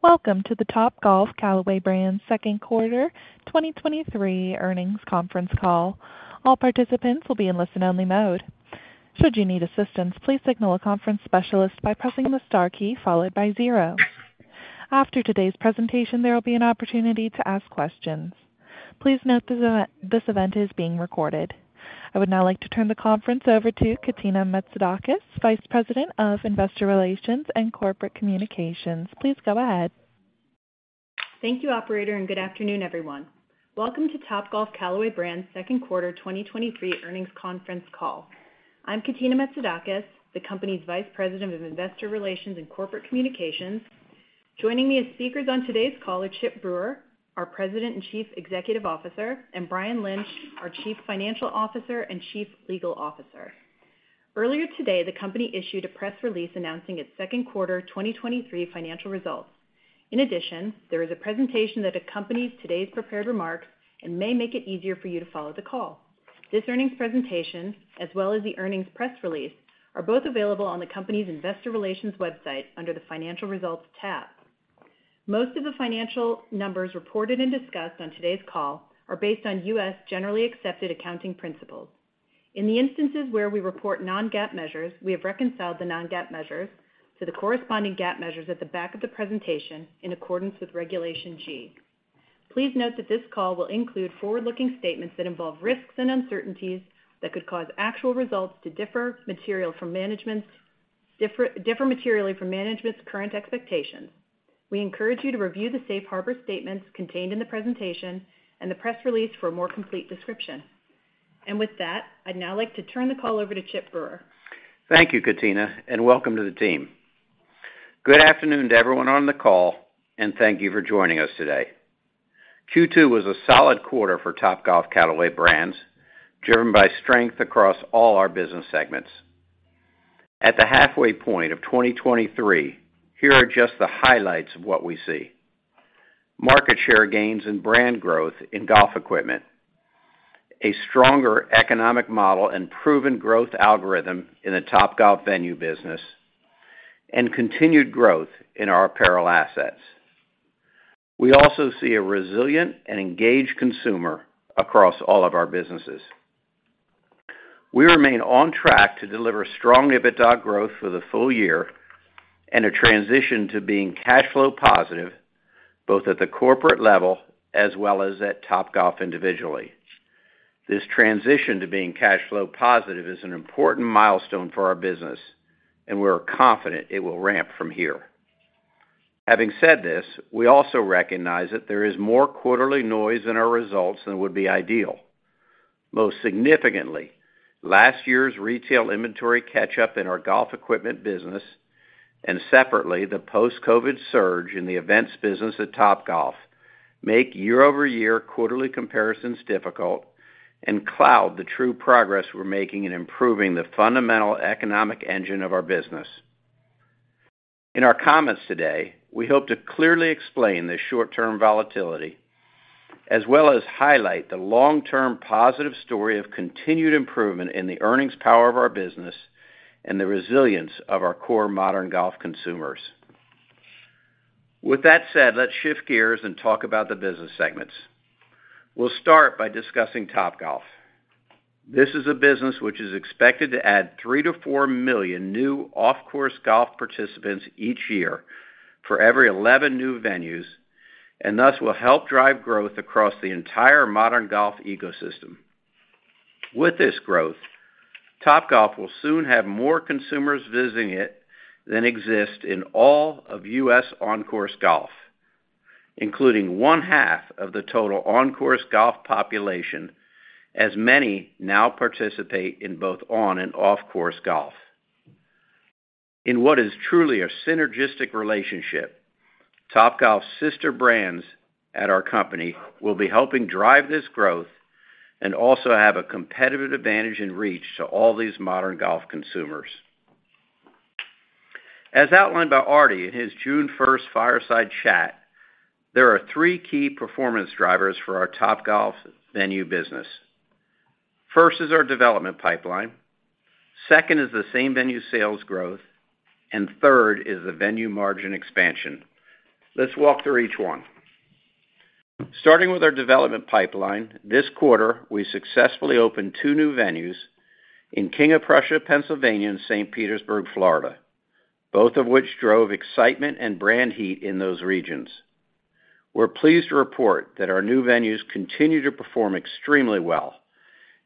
Welcome to the Topgolf Callaway Brands second quarter 2023 earnings conference call. All participants will be in listen-only mode. Should you need assistance, please signal a conference specialist by pressing the star key followed by zero. After today's presentation, there will be an opportunity to ask questions. Please note this event is being recorded. I would now like to turn the conference over to Katina Metzidakis, Vice President of Investor Relations and Corporate Communications. Please go ahead. Thank you, operator, and good afternoon, everyone. Welcome to Topgolf Callaway Brands' second quarter 2023 earnings conference call. I'm Katina Metzidakis, the company's Vice President of Investor Relations and Corporate Communications. Joining me as speakers on today's call are Chip Brewer, our President and Chief Executive Officer, and Brian Lynch, our Chief Financial Officer and Chief Legal Officer. Earlier today, the company issued a press release announcing its second quarter 2023 financial results. In addition, there is a presentation that accompanies today's prepared remarks and may make it easier for you to follow the call. This earnings presentation, as well as the earnings press release, are both available on the company's investor relations website under the Financial Results tab. Most of the financial numbers reported and discussed on today's call are based on U.S. generally accepted accounting principles. In the instances where we report non-GAAP measures, we have reconciled the non-GAAP measures to the corresponding GAAP measures at the back of the presentation in accordance with Regulation G. Please note that this call will include forward-looking statements that involve risks and uncertainties that could cause actual results to differ materially from management's current expectations. We encourage you to review the safe harbor statements contained in the presentation and the press release for a more complete description. With that, I'd now like to turn the call over to Chip Brewer. Thank you, Katina, and welcome to the team. Good afternoon to everyone on the call, and thank you for joining us today. Q2 was a solid quarter for Topgolf Callaway Brands, driven by strength across all our business segments. At the halfway point of 2023, here are just the highlights of what we see: market share gains and brand growth in golf equipment, a stronger economic model and proven growth algorithm in the Topgolf venue business, and continued growth in our apparel assets. We also see a resilient and engaged consumer across all of our businesses. We remain on track to deliver strong EBITDA growth for the full year and a transition to being cash flow positive, both at the corporate level as well as at Topgolf individually. This transition to being cash flow positive is an important milestone for our business, and we are confident it will ramp from here. Having said this, we also recognize that there is more quarterly noise in our results than would be ideal. Most significantly, last year's retail inventory catch up in our golf equipment business, and separately, the post-COVID surge in the events business at Topgolf, make year-over-year quarterly comparisons difficult and cloud the true progress we're making in improving the fundamental economic engine of our business. In our comments today, we hope to clearly explain the short-term volatility, as well as highlight the long-term positive story of continued improvement in the earnings power of our business and the resilience of our core modern golf consumers. With that said, let's shift gears and talk about the business segments. We'll start by discussing Topgolf. This is a business which is expected to add three million-four million new off-course golf participants each year for every 11 new venues, and thus will help drive growth across the entire modern golf ecosystem. With this growth, Topgolf will soon have more consumers visiting it than exist in all of U.S. on-course golf, including one half of the total on-course golf population, as many now participate in both on and off-course golf. In what is truly a synergistic relationship, Topgolf's sister brands at our company will be helping drive this growth and also have a competitive advantage and reach to all these modern golf consumers. As outlined by Artie in his June first fireside chat, there are three key performance drivers for our Topgolf venue business. First is our development pipeline, second is the same-venue sales growth, and third is the venue margin expansion. Let's walk through each one. Starting with our development pipeline, this quarter, we successfully opened two new venues in King of Prussia, Pennsylvania, and St. Petersburg, Florida, both of which drove excitement and brand heat in those regions. We're pleased to report that our new venues continue to perform extremely well,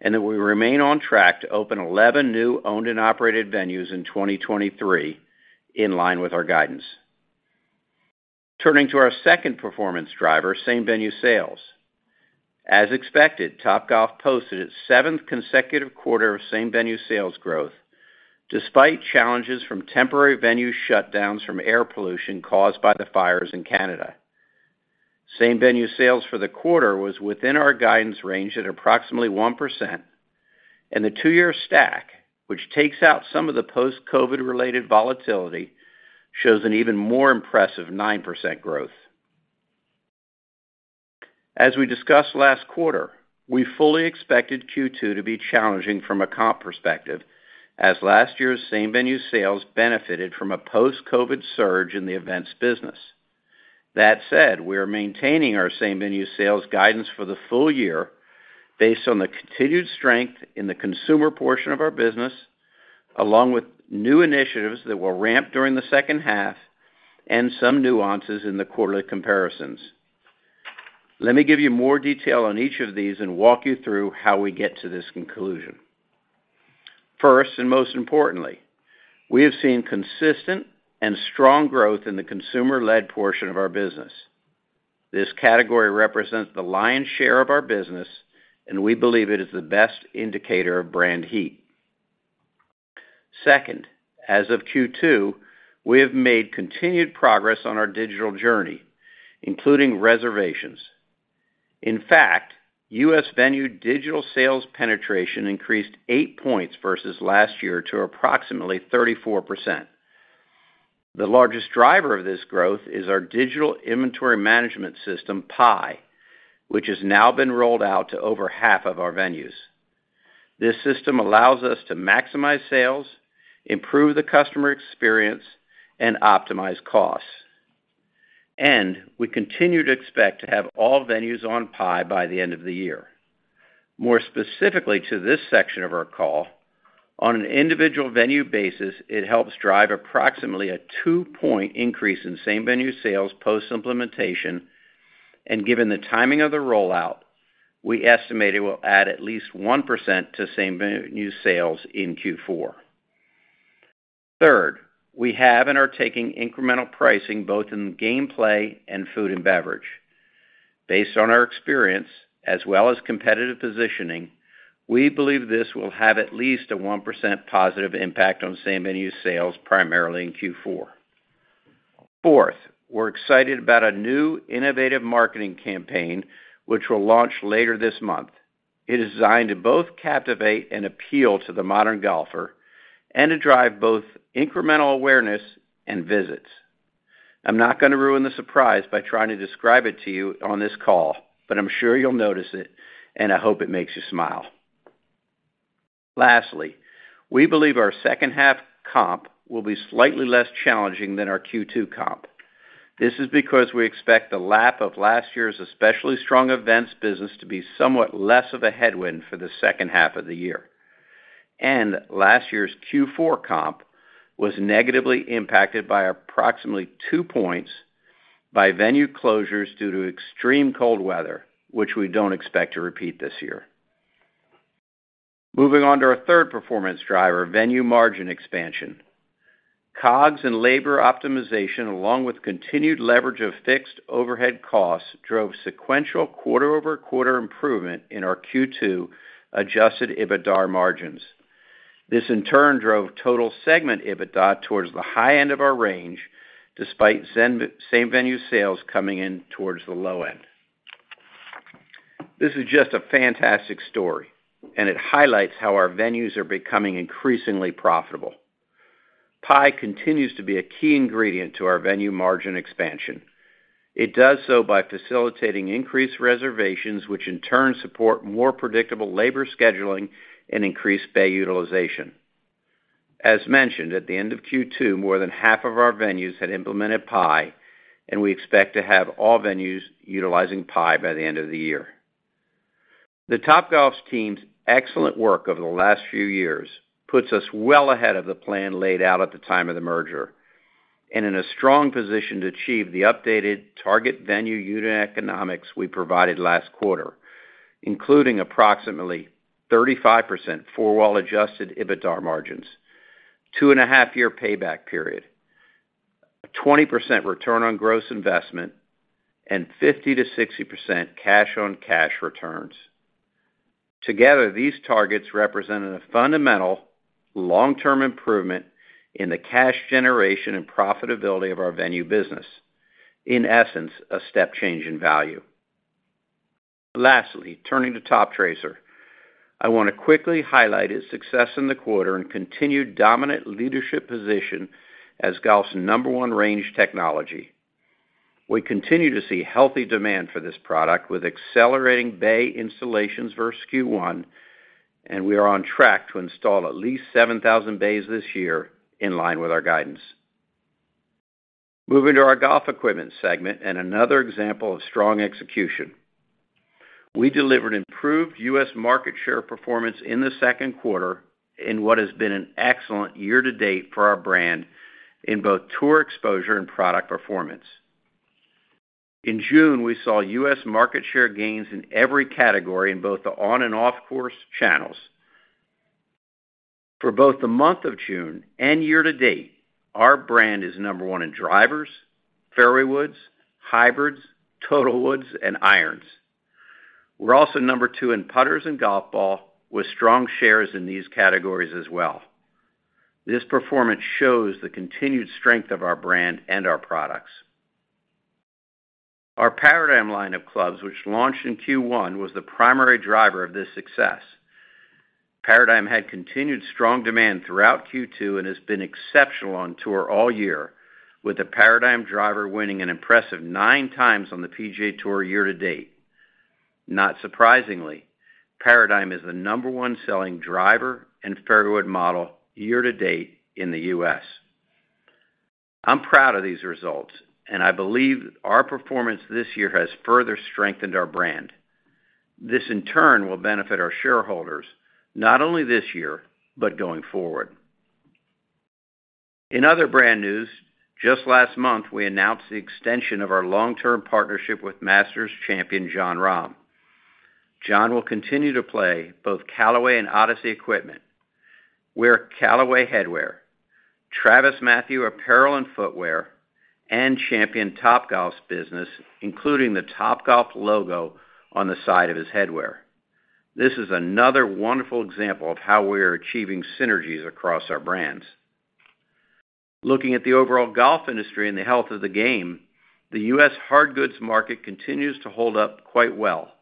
and that we remain on track to open 11 new owned and operated venues in 2023, in line with our guidance. Turning to our second performance driver, same-venue sales. As expected, Topgolf posted its seventh consecutive quarter of same-venue sales growth, despite challenges from temporary venue shutdowns from air pollution caused by the fires in Canada. Same-venue sales for the quarter was within our guidance range at approximately 1%, and the two-year stack, which takes out some of the post-COVID related volatility, shows an even more impressive 9% growth. As we discussed last quarter, we fully expected Q2 to be challenging from a comp perspective, as last year's same-venue sales benefited from a post-COVID surge in the events business. That said, we are maintaining our same-venue sales guidance for the full year based on the continued strength in the consumer portion of our business, along with new initiatives that will ramp during the second half and some nuances in the quarterly comparisons. Let me give you more detail on each of these and walk you through how we get to this conclusion. First, and most importantly, we have seen consistent and strong growth in the consumer-led portion of our business. This category represents the lion's share of our business, and we believe it is the best indicator of brand heat. Second, as of Q2, we have made continued progress on our digital journey, including reservations. In fact, U.S. Venue digital sales penetration increased eight points versus last year to approximately 34%. The largest driver of this growth is our digital inventory management system, PIE, which has now been rolled out to over half of our venues. This system allows us to maximize sales, improve the customer experience, and optimize costs. We continue to expect to have all venues on PI by the end of the year. More specifically to this section of our call, on an individual venue basis, it helps drive approximately a two-point increase in same-venue sales post-implementation, and given the timing of the rollout, we estimate it will add at least 1% to same-venue sales in Q4. Third, we have and are taking incremental pricing both in gameplay and food and beverage. Based on our experience, as well as competitive positioning, we believe this will have at least a 1% positive impact on same-venue sales, primarily in Q4. Fourth, we're excited about a new innovative marketing campaign, which will launch later this month. It is designed to both captivate and appeal to the modern golfer and to drive both incremental awareness and visits. I'm not going to ruin the surprise by trying to describe it to you on this call, but I'm sure you'll notice it, and I hope it makes you smile. Lastly, we believe our second-half comp will be slightly less challenging than our Q2 comp. This is because we expect the lap of last year's especially strong events business to be somewhat less of a headwind for the second-half of the year. Last year's Q4 comp was negatively impacted by approximately two points by venue closures due to extreme cold weather, which we don't expect to repeat this year. Moving on to our third performance driver, venue margin expansion. COGS and labor optimization, along with continued leverage of fixed overhead costs, drove sequential quarter-over-quarter improvement in our Q2 adjusted EBITDA margins. This, in turn, drove total segment EBITDA towards the high end of our range, despite same-venue sales coming in towards the low end. This is just a fantastic story, and it highlights how our venues are becoming increasingly profitable. PIE continues to be a key ingredient to our venue margin expansion. It does so by facilitating increased reservations, which in turn support more predictable labor scheduling and increased bay utilization. As mentioned, at the end of Q2, more than half of our venues had implemented PIE, and we expect to have all venues utilizing PIE by the end of the year. The Topgolf's team's excellent work over the last few years puts us well ahead of the plan laid out at the time of the merger and in a strong position to achieve the updated target venue unit economics we provided last quarter, including approximately 35% four-wall adjusted EBITDAR margins, 2.5-year payback period, a 20% return on gross investment, and 50%-60% cash-on-cash returns. Together, these targets represent a fundamental long-term improvement in the cash generation and profitability of our venue business. In essence, a step change in value. Lastly, turning to Toptracer. I want to quickly highlight its success in the quarter and continued dominant leadership position as golf's number one range technology. We continue to see healthy demand for this product, with accelerating bay installations versus Q1, and we are on track to install at least 7,000 bays this year, in line with our guidance. Moving to our golf equipment segment and another example of strong execution. We delivered improved U.S. market share performance in the second quarter in what has been an excellent year-to-date for our brand in both tour exposure and product performance. In June, we saw U.S. market share gains in every category in both the on- and off-course channels. For both the month of June and year-to-date, our brand is number one in drivers, fairways, hybrids, total woods, and irons. We're also number two in putters and golf ball, with strong shares in these categories as well. This performance shows the continued strength of our brand and our products. Our Paradym line of clubs, which launched in Q1, was the primary driver of this success. Paradym had continued strong demand throughout Q2 and has been exceptional on tour all year, with the Paradym driver winning an impressive nine times on the PGA Tour year-to-date. Not surprisingly, Paradym is the number one selling driver and fairway wood model year-to-date in the U.S. I'm proud of these results, and I believe our performance this year has further strengthened our brand. This, in turn, will benefit our shareholders, not only this year, but going forward. In other brand news, just last month, we announced the extension of our long-term partnership with Masters champion Jon Rahm. Jon will continue to play both Callaway and Odyssey equipment, wear Callaway headwear, TravisMathew apparel and footwear, and champion Topgolf's business, including the Topgolf logo on the side of his headwear. This is another wonderful example of how we are achieving synergies across our brands. Looking at the overall golf industry and the health of the game, the U.S. hard goods market continues to hold up quite well,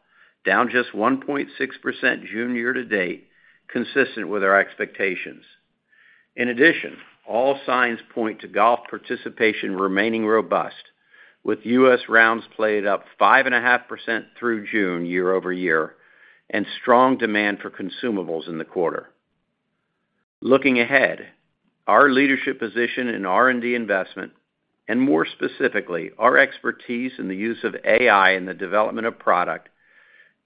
down just 1.6% June year-to-date, consistent with our expectations. In addition, all signs point to golf participation remaining robust, with US rounds played up 5.5% through June year-over-year, and strong demand for consumables in the quarter. Looking ahead, our leadership position in R&D investment, and more specifically, our expertise in the use of AI in the development of product,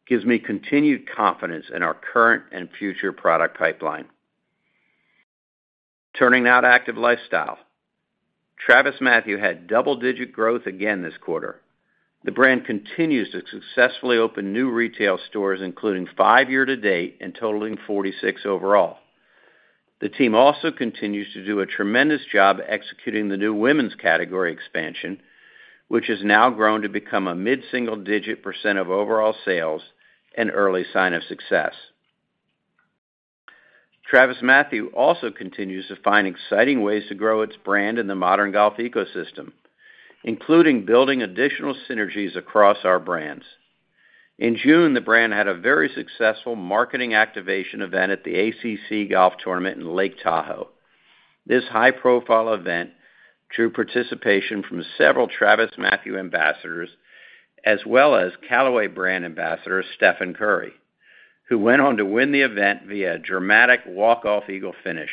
gives me continued confidence in our current and future product pipeline. Turning now to Active Lifestyle. TravisMathew had double-digit growth again this quarter. The brand continues to successfully open new retail stores, including five year-to-date and totaling 46 overall. The team also continues to do a tremendous job executing the new women's category expansion, which has now grown to become a mid-single-digit % of overall sales, an early sign of success. TravisMathew also continues to find exciting ways to grow its brand in the modern golf ecosystem, including building additional synergies across our brands. In June, the brand had a very successful marketing activation event at the ACC Golf Tournament in Lake Tahoe. This high-profile event drew participation from several TravisMathew ambassadors, as well as Callaway brand ambassador, Stephen Curry, who went on to win the event via a dramatic walk-off eagle finish.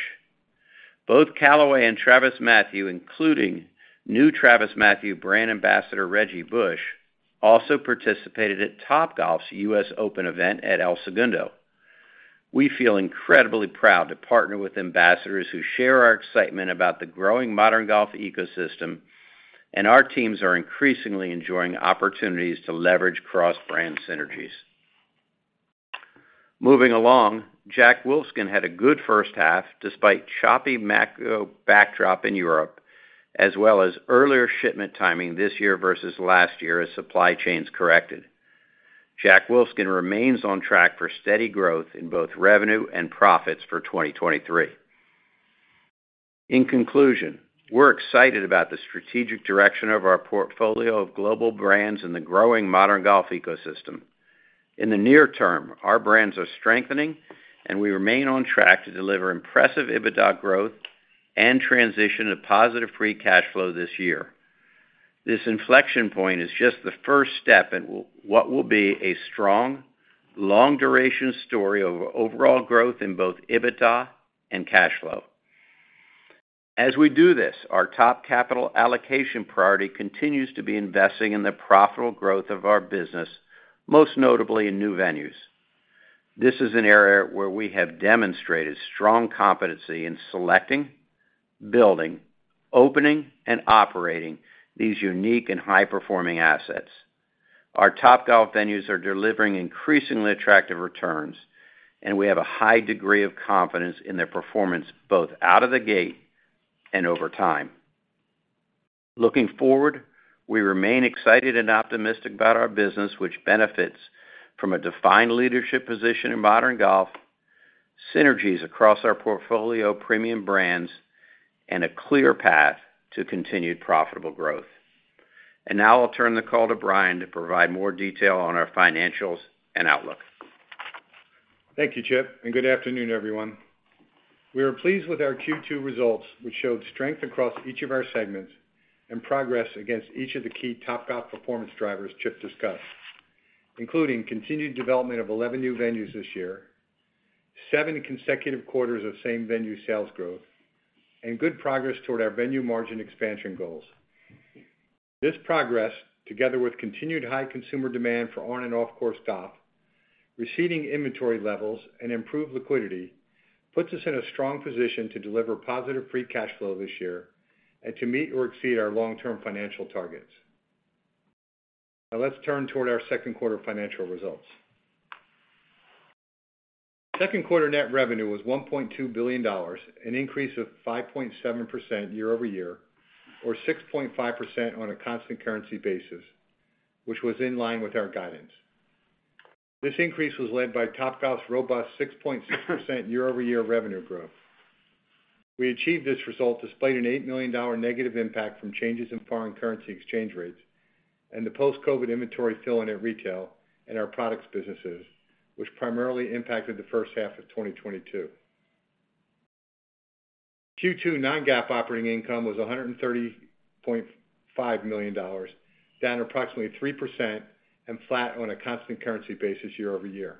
Both Callaway and TravisMathew, including new TravisMathew brand ambassador, Reggie Bush, also participated at Topgolf's U.S. Open event at El Segundo. We feel incredibly proud to partner with ambassadors who share our excitement about the growing modern golf ecosystem, and our teams are increasingly enjoying opportunities to leverage cross-brand synergies. Moving along, Jack Wolfskin had a good first half despite choppy macro backdrop in Europe, as well as earlier shipment timing this year versus last year as supply chains corrected. Jack Wolfskin remains on track for steady growth in both revenue and profits for 2023. In conclusion, we're excited about the strategic direction of our portfolio of global brands in the growing modern golf ecosystem. In the near term, our brands are strengthening, and we remain on track to deliver impressive EBITDA growth and transition to positive free cash flow this year. This inflection point is just the first step in what will be a strong, long-duration story of overall growth in both EBITDA and cash flow. As we do this, our top capital allocation priority continues to be investing in the profitable growth of our business, most notably in new venues. This is an area where we have demonstrated strong competency in selecting, building, opening, and operating these unique and high-performing assets. Our Topgolf venues are delivering increasingly attractive returns, and we have a high degree of confidence in their performance, both out of the gate and over time. Looking forward, we remain excited and optimistic about our business, which benefits from a defined leadership position in modern golf, synergies across our portfolio of premium brands, and a clear path to continued profitable growth. Now I'll turn the call to Brian to provide more detail on our financials and outlook. Thank you, Chip, and good afternoon, everyone. We are pleased with our Q2 results, which showed strength across each of our segments and progress against each of the key Topgolf performance drivers Chip discussed, including continued development of 11 new venues this year, seven consecutive quarters of same-venue sales growth, and good progress toward our venue margin expansion goals. This progress, together with continued high consumer demand for on- and off-course golf, receding inventory levels, and improved liquidity, puts us in a strong position to deliver positive free cash flow this year and to meet or exceed our long-term financial targets. Now let's turn toward our second quarter financial results. Second quarter net revenue was $1.2 billion, an increase of 5.7% year-over-year, or 6.5% on a constant currency basis, which was in line with our guidance. This increase was led by Topgolf's robust 6.6% year-over-year revenue growth. We achieved this result despite an $8 million negative impact from changes in foreign currency exchange rates and the post-COVID inventory fill-in at retail and our products businesses, which primarily impacted the first half of 2022. Q2 non-GAAP operating income was $130.5 million, down approximately 3% and flat on a constant currency basis year-over-year.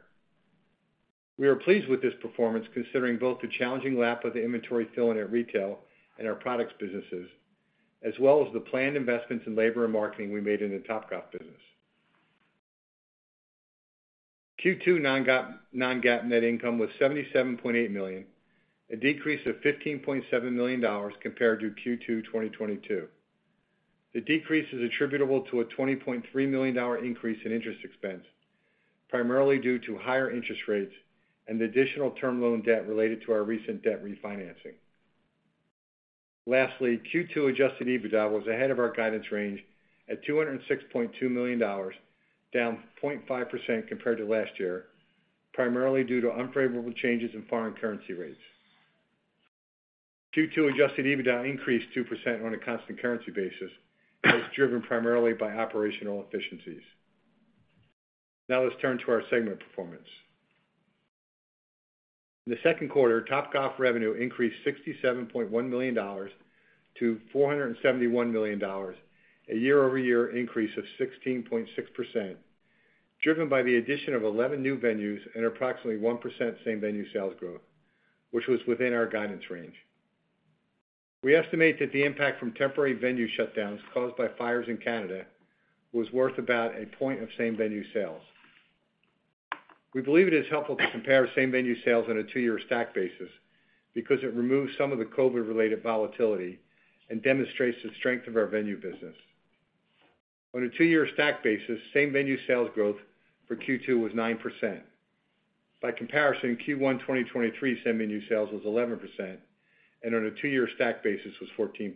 We are pleased with this performance, considering both the challenging lap of the inventory fill-in at retail and our products businesses, as well as the planned investments in labor and marketing we made in the Topgolf business. Q2 non-GAAP net income was $77.8 million, a decrease of $15.7 million compared to Q2 2022. The decrease is attributable to a $20.3 million increase in interest expense, primarily due to higher interest rates and the additional term loan debt related to our recent debt refinancing. Lastly, Q2 adjusted EBITDA was ahead of our guidance range at $206.2 million, down 0.5% compared to last year, primarily due to unfavorable changes in foreign currency rates. Q2 adjusted EBITDA increased 2% on a constant currency basis, and was driven primarily by operational efficiencies. Now let's turn to our segment performance. In the second quarter, Topgolf revenue increased $67.1 million to $471 million, a year-over-year increase of 16.6%, driven by the addition of 11 new venues and approximately 1% same-venue sales growth, which was within our guidance range. We estimate that the impact from temporary venue shutdowns caused by fires in Canada was worth about a point of same-venue sales. We believe it is helpful to compare same-venue sales on a two-year stack basis because it removes some of the COVID-related volatility and demonstrates the strength of our venue business. On a two-year stack basis, same-venue sales growth for Q2 was 9%. By comparison, Q1 2023 same-venue sales was 11%, and on a two-year stack basis was 14%.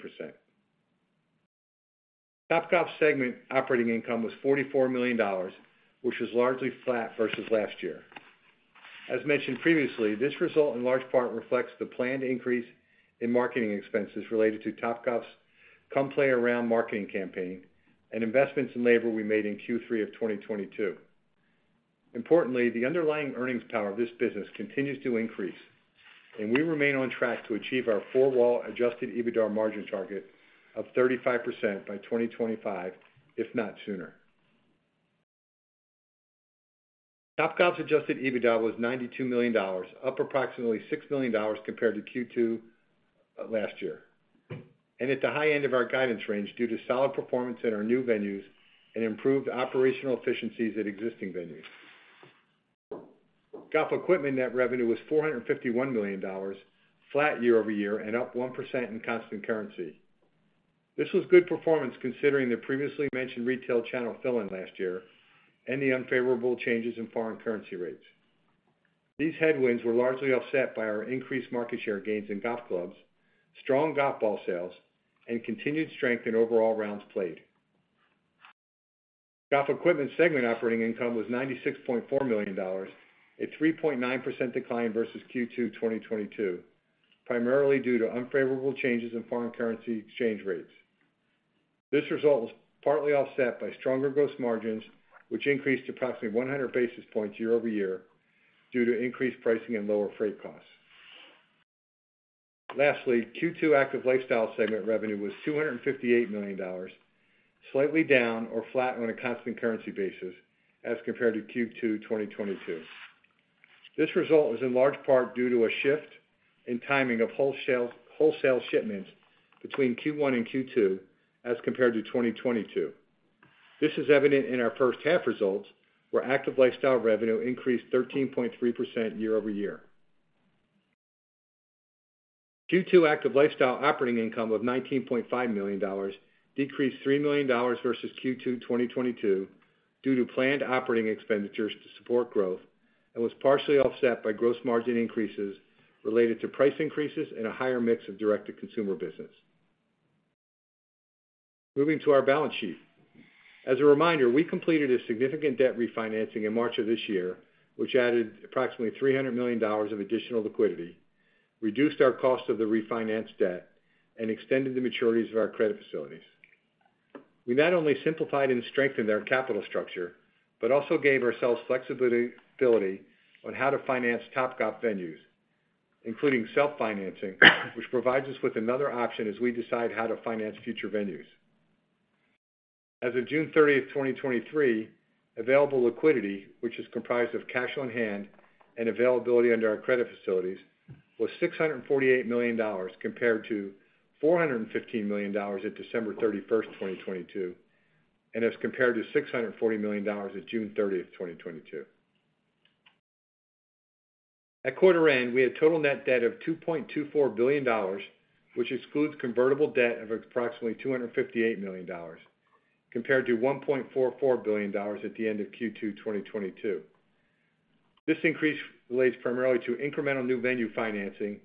Topgolf segment operating income was $44 million, which was largely flat versus last year. As mentioned previously, this result in large part reflects the planned increase in marketing expenses related to Topgolf's Come Play Around marketing campaign and investments in labor we made in Q3 of 2022. Importantly, the underlying earnings power of this business continues to increase, and we remain on track to achieve our four-wall adjusted EBITDA margin target of 35% by 2025, if not sooner. Topgolf's adjusted EBITDA was $92 million, up approximately $6 million compared to Q2 last year, and at the high end of our guidance range, due to solid performance in our new venues and improved operational efficiencies at existing venues. Golf equipment net revenue was $451 million, flat year-over-year and up 1% in constant currency. This was good performance considering the previously mentioned retail channel fill-in last year and the unfavorable changes in foreign currency rates. These headwinds were largely offset by our increased market share gains in golf clubs, strong golf ball sales, and continued strength in overall rounds played. Golf Equipment segment operating income was $96.4 million, a 3.9% decline versus Q2 2022, primarily due to unfavorable changes in foreign currency exchange rates. This result was partly offset by stronger gross margins, which increased approximately 100 basis points year-over-year due to increased pricing and lower freight costs. Lastly, Q2 Active Lifestyle segment revenue was $258 million, slightly down or flat on a constant currency basis as compared to Q2 2022. This result was in large part due to a shift in timing of wholesale, wholesale shipments between Q1 and Q2 as compared to 2022. This is evident in our first half results, where Active Lifestyle revenue increased 13.3% year-over-year. Q2 Active Lifestyle operating income of $19.5 million decreased $3 million versus Q2 2022 due to planned operating expenditures to support growth, and was partially offset by gross margin increases related to price increases and a higher mix of direct-to-consumer business. Moving to our balance sheet. As a reminder, we completed a significant debt refinancing in March of this year, which added approximately $300 million of additional liquidity, reduced our cost of the refinanced debt, and extended the maturities of our credit facilities. We not only simplified and strengthened our capital structure, but also gave ourselves flexibility, flexibility on how to finance Topgolf venues, including self-financing, which provides us with another option as we decide how to finance future venues. As of 30th June 2023, available liquidity, which is comprised of cash on hand and availability under our credit facilities, was $648 million, compared to $415 million at 31st December 2022, and as compared to $640 million at 30th June 2022. At quarter end, we had total net debt of $2.24 billion, which excludes convertible debt of approximately $258 million, compared to $1.44 billion at the end of Q2 2022. This increase relates primarily to incremental new venue financing,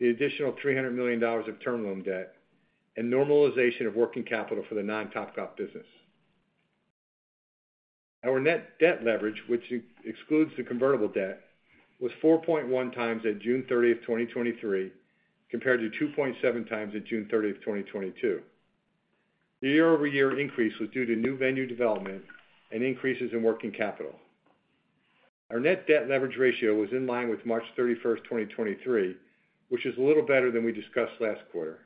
the additional $300 million of term loan debt, and normalization of working capital for the non-Topgolf business. Our net debt leverage, which ex-excludes the convertible debt, was 4.1 times at 30th June 2023, compared to 2.7 times at June 30th, 2022. The year-over-year increase was due to new venue development and increases in working capital. Our net debt leverage ratio was in line with 31st March 2023, which is a little better than we discussed last quarter.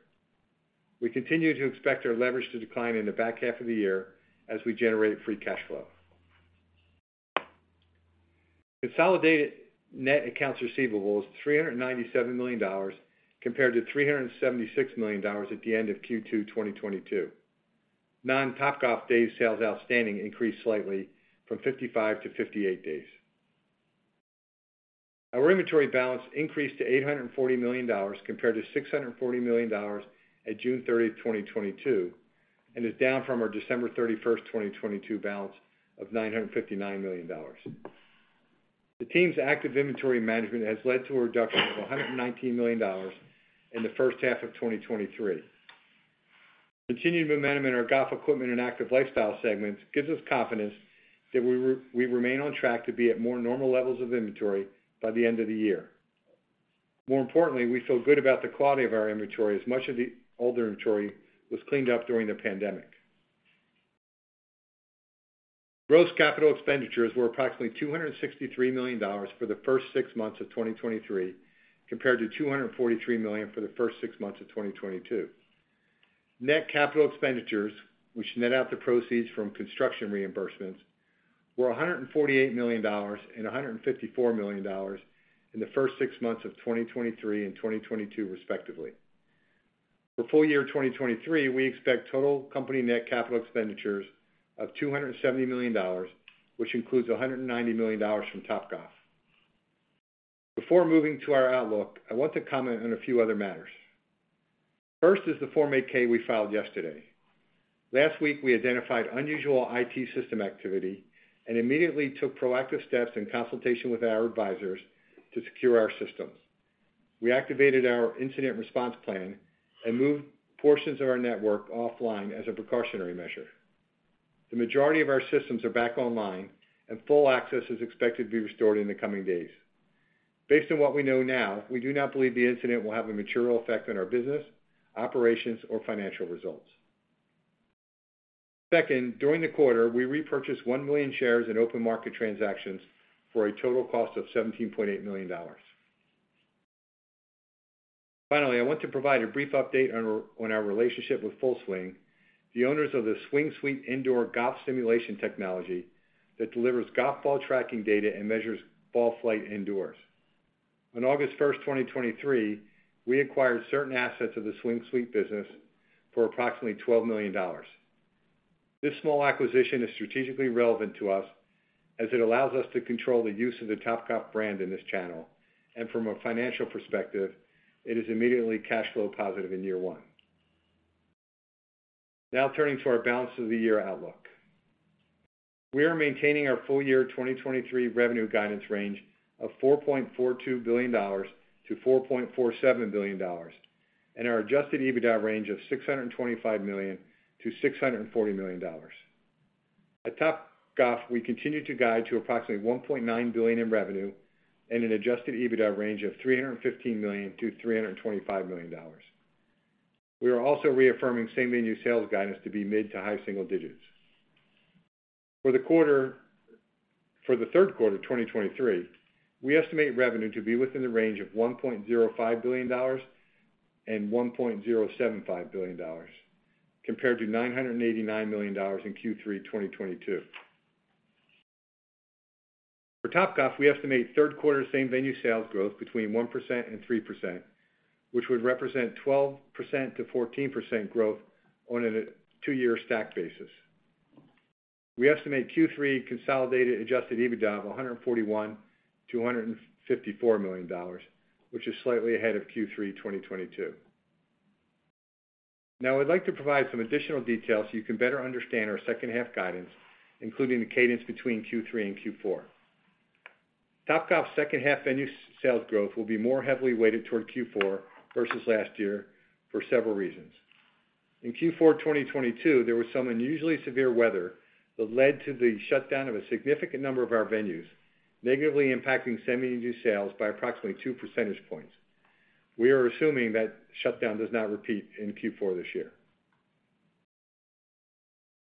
We continue to expect our leverage to decline in the back half of the year as we generate free cash flow. Consolidated net accounts receivables, $397 million, compared to $376 million at the end of Q2, 2022. Non-Topgolf days sales outstanding increased slightly from 55 to 58 days. Our inventory balance increased to $840 million, compared to $640 million at June 30, 2022, and is down from our 31st December 2022, balance of $959 million. The team's active inventory management has led to a reduction of $119 million in the first half of 2023. Continued momentum in our golf equipment and Active Lifestyle segments gives us confidence that we remain on track to be at more normal levels of inventory by the end of the year. More importantly, we feel good about the quality of our inventory, as much of the older inventory was cleaned up during the pandemic. Gross capital expenditures were approximately $263 million for the first six months of 2023, compared to $243 million for the first six months of 2022. Net capital expenditures, which net out the proceeds from construction reimbursements, were $148 million and $154 million in the first six months of 2023 and 2022, respectively. For full year 2023, we expect total company net capital expenditures of $270 million, which includes $190 million from Topgolf. Before moving to our outlook, I want to comment on a few other matters. First is the Form 8-K we filed yesterday. Last week, we identified unusual IT system activity and immediately took proactive steps in consultation with our advisors to secure our systems. We activated our incident response plan and moved portions of our network offline as a precautionary measure. The majority of our systems are back online, and full access is expected to be restored in the coming days. Based on what we know now, we do not believe the incident will have a material effect on our business, operations, or financial results. During the quarter, we repurchased 1 million shares in open market transactions for a total cost of $17.8 million. I want to provide a brief update on our relationship with Full Swing, the owners of the Swing Suite indoor golf simulation technology that delivers golf ball tracking data and measures ball flight indoors. On August 1st, 2023, we acquired certain assets of the Swing Suite business for approximately $12 million. This small acquisition is strategically relevant to us as it allows us to control the use of the Topgolf brand in this channel, and from a financial perspective, it is immediately cash flow positive in year one. Now, turning to our balance of the year outlook. We are maintaining our full year 2023 revenue guidance range of $4.42 billion-$4.47 billion, and our adjusted EBITDA range of $625 million-$640 million. At Topgolf, we continue to guide to approximately $1.9 billion in revenue and an adjusted EBITDA range of $315 million-$325 million. We are also reaffirming same-venue sales guidance to be mid to high single digits. For the third quarter of 2023, we estimate revenue to be within the range of $1.05 billion and $1.075 billion, compared to $989 million in Q3 2022. For Topgolf, we estimate third quarter same-venue sales growth between 1% and 3%, which would represent 12%-14% growth on a two-year stack basis. We estimate Q3 consolidated adjusted EBITDA of $141 million-$154 million, which is slightly ahead of Q3 2022. Now, I'd like to provide some additional details so you can better understand our second half guidance, including the cadence between Q3 and Q4. Topgolf's second half venue sales growth will be more heavily weighted toward Q4 versus last year for several reasons. In Q4 2022, there was some unusually severe weather that led to the shutdown of a significant number of our venues, negatively impacting same-venue sales by approximately 2 percentage points. We are assuming that shutdown does not repeat in Q4 this year.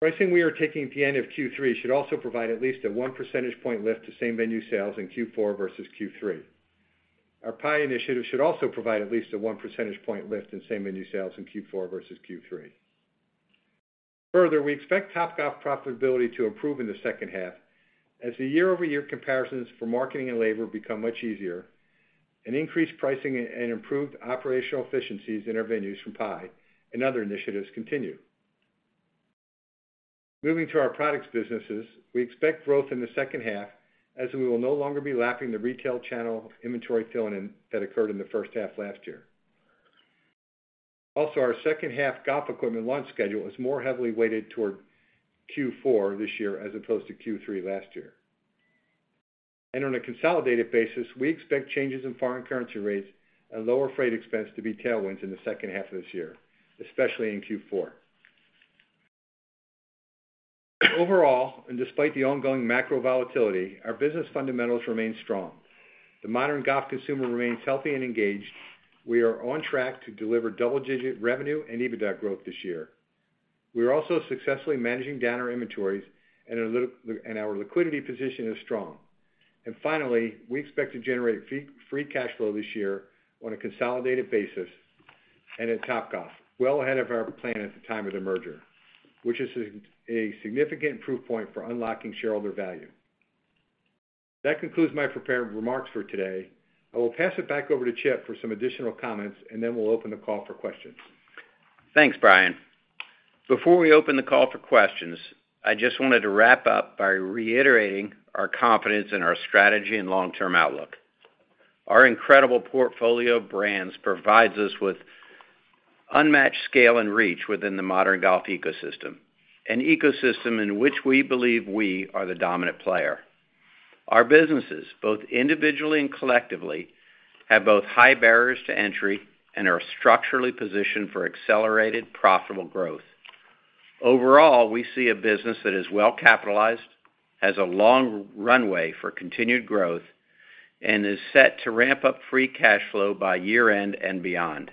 Pricing we are taking at the end of Q3 should also provide at least a 1 percentage point lift to same-venue sales in Q4 versus Q3. Our PI initiative should also provide at least a 1 percentage point lift in same-venue sales in Q4 versus Q3. Further, we expect Topgolf profitability to improve in the second half as the year-over-year comparisons for marketing and labor become much easier, and increased pricing and improved operational efficiencies in our venues from PI and other initiatives continue. Moving to our products businesses, we expect growth in the second half as we will no longer be lapping the retail channel inventory fill-in that occurred in the first half last year. Our second-half golf equipment launch schedule is more heavily weighted toward Q4 this year, as opposed to Q3 last year. On a consolidated basis, we expect changes in foreign currency rates and lower freight expense to be tailwinds in the second half of this year, especially in Q4. Overall, and despite the ongoing macro volatility, our business fundamentals remain strong. The modern golf consumer remains healthy and engaged. We are on track to deliver double-digit revenue and EBITDA growth this year. We are also successfully managing down our inventories, and our liquidity position is strong. Finally, we expect to generate free cash flow this year on a consolidated basis and at Topgolf, well ahead of our plan at the time of the merger, which is a significant proof point for unlocking shareholder value. That concludes my prepared remarks for today. I will pass it back over to Chip for some additional comments, and then we'll open the call for questions. Thanks, Brian. Before we open the call for questions, I just wanted to wrap up by reiterating our confidence in our strategy and long-term outlook. Our incredible portfolio of brands provides us with unmatched scale and reach within the modern golf ecosystem, an ecosystem in which we believe we are the dominant player. Our businesses, both individually and collectively, have both high barriers to entry and are structurally positioned for accelerated profitable growth. Overall, we see a business that is well capitalized, has a long runway for continued growth, and is set to ramp up free cash flow by year-end and beyond.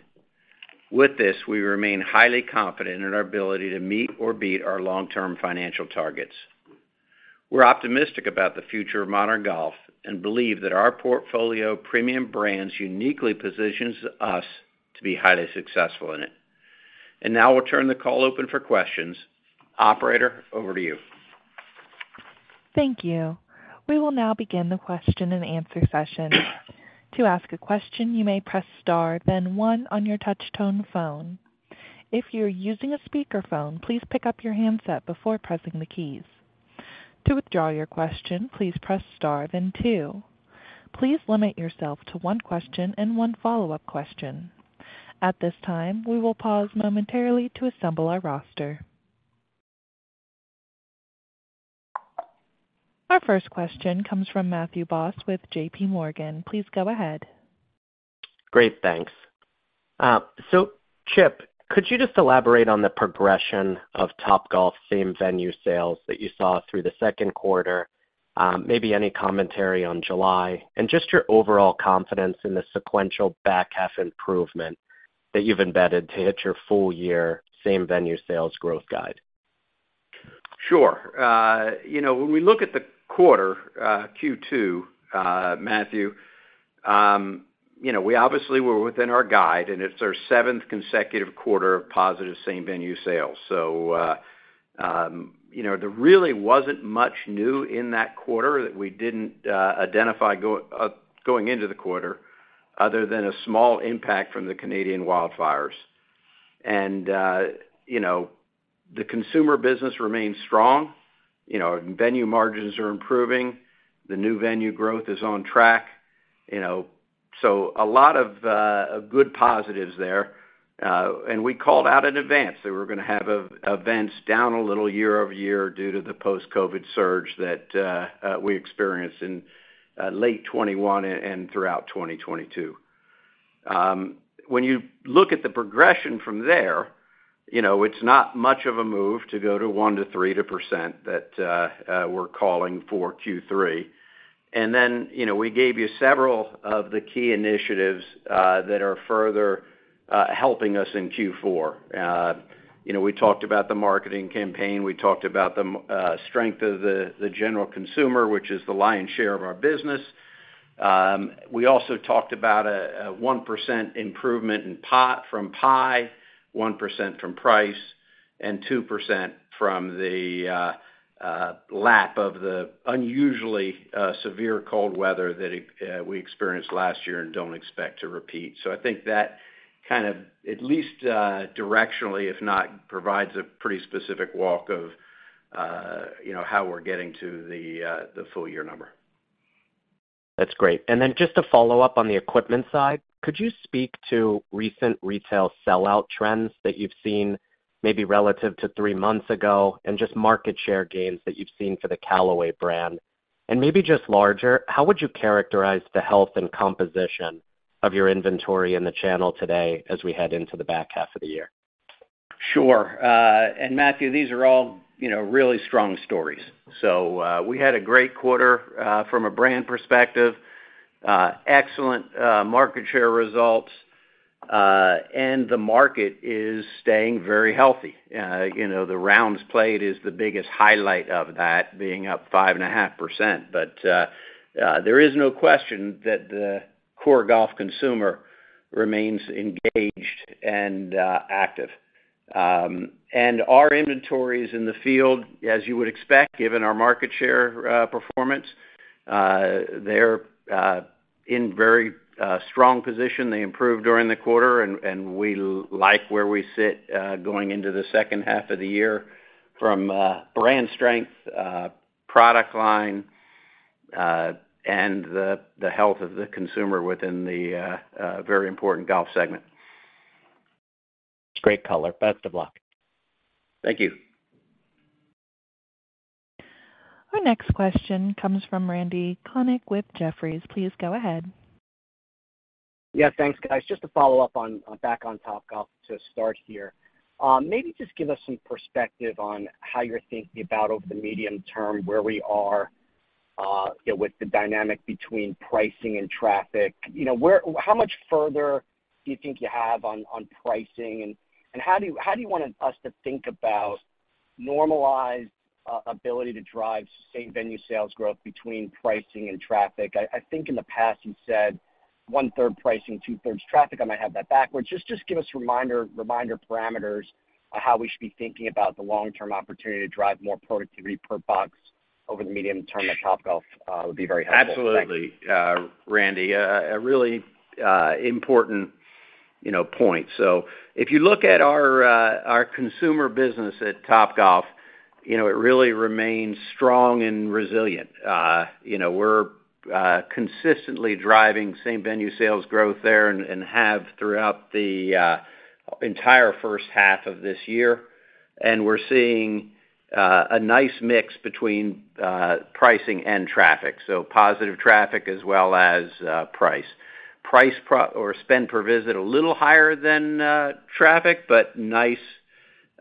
With this, we remain highly confident in our ability to meet or beat our long-term financial targets. We're optimistic about the future of modern golf and believe that our portfolio of premium brands uniquely positions us to be highly successful in it. Now we'll turn the call open for questions. Operator, over to you. Thank you. We will now begin the question-and-answer session. To ask a question, you may press star, then one on your touchtone phone. If you're using a speakerphone, please pick up your handset before pressing the keys. To withdraw your question, please press star, then two. Please limit yourself to one question and one follow-up question. At this time, we will pause momentarily to assemble our roster. Our first question comes from Matthew Boss with JP Morgan. Please go ahead. Great, thanks. Chip, could you just elaborate on the progression of Topgolf same-venue sales that you saw through the second quarter, maybe any commentary on July, and just your overall confidence in the sequential back half improvement that you've embedded to hit your full year same-venue sales growth guide? Sure. You know, when we look at the quarter, Q2, Matthew, you know, we obviously were within our guide. It's our 7th consecutive quarter of positive same-venue sales. You know, there really wasn't much new in that quarter that we didn't identify going into the quarter, other than a small impact from the Canadian wildfires. You know, the consumer business remains strong. You know, venue margins are improving, the new venue growth is on track, you know, a lot of good positives there. We called out in advance that we're going to have events down a little year-over-year due to the post-COVID surge that we experienced in late 2021 and throughout 2022. When you look at the progression from there, you know, it's not much of a move to go to 1%-3% that we're calling for Q3. Then, you know, we gave you several of the key initiatives that are further helping us in Q4. You know, we talked about the marketing campaign. We talked about the strength of the general consumer, which is the lion's share of our business. We also talked about a, a 1% improvement in pot from PIE, 1% from price, and 2% from the lap of the unusually severe cold weather that we experienced last year and don't expect to repeat. I think that kind of, at least, directionally, if not, provides a pretty specific walk of, you know, how we're getting to the, the full year number. That's great. Just to follow up on the equipment side, could you speak to recent retail sellout trends that you've seen, maybe relative to three months ago, and just market share gains that you've seen for the Callaway brand? Maybe just larger, how would you characterize the health and composition of your inventory in the channel today as we head into the back half of the year? Sure. Matthew, these are all, you know, really strong stories. We had a great quarter from a brand perspective, excellent market share results, and the market is staying very healthy. You know, the rounds played is the biggest highlight of that, being up 5.5%. There is no question that the core golf consumer remains engaged and active. Our inventories in the field, as you would expect, given our market share performance, they're in very strong position. They improved during the quarter, and we like where we sit going into the second half of the year from brand strength, product line, and the health of the consumer within the very important golf segment. Great color. Best of luck. Thank you. Our next question comes from Randy Konik with Jefferies. Please go ahead. Yeah, thanks, guys. Just to follow up on back on Topgolf to start here. Maybe just give us some perspective on how you're thinking about over the medium term, where we are, you know, with the dynamic between pricing and traffic. You know, how much further do you think you have on pricing, and how do you want us to think about normalized ability to drive same venue sales growth between pricing and traffic? I think in the past, you said one-third pricing, two-thirds traffic. I might have that backwards. Just give us a reminder, reminder parameters on how we should be thinking about the long-term opportunity to drive more productivity per box over the medium term at Topgolf would be very helpful. Absolutely, Randy. A really important, you know, point. If you look at our consumer business at Topgolf, you know, it really remains strong and resilient. You know, we're consistently driving same venue sales growth there and have throughout the entire first half of this year, and we're seeing a nice mix between pricing and traffic, so positive traffic as well as price. Price or spend per visit, a little higher than traffic, but nice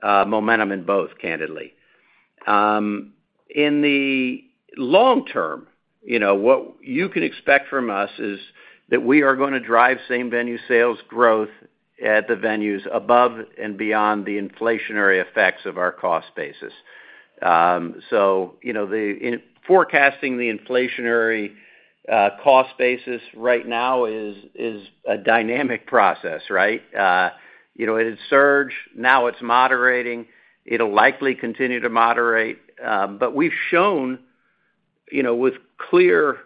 momentum in both, candidly. In the long term, you know, what you can expect from us is that we are going to drive same venue sales growth at the venues above and beyond the inflationary effects of our cost basis. You know, the, in forecasting the inflationary cost basis right now is, is a dynamic process, right? You know, it had surged, now it's moderating. It'll likely continue to moderate, but we've shown, you know, with clear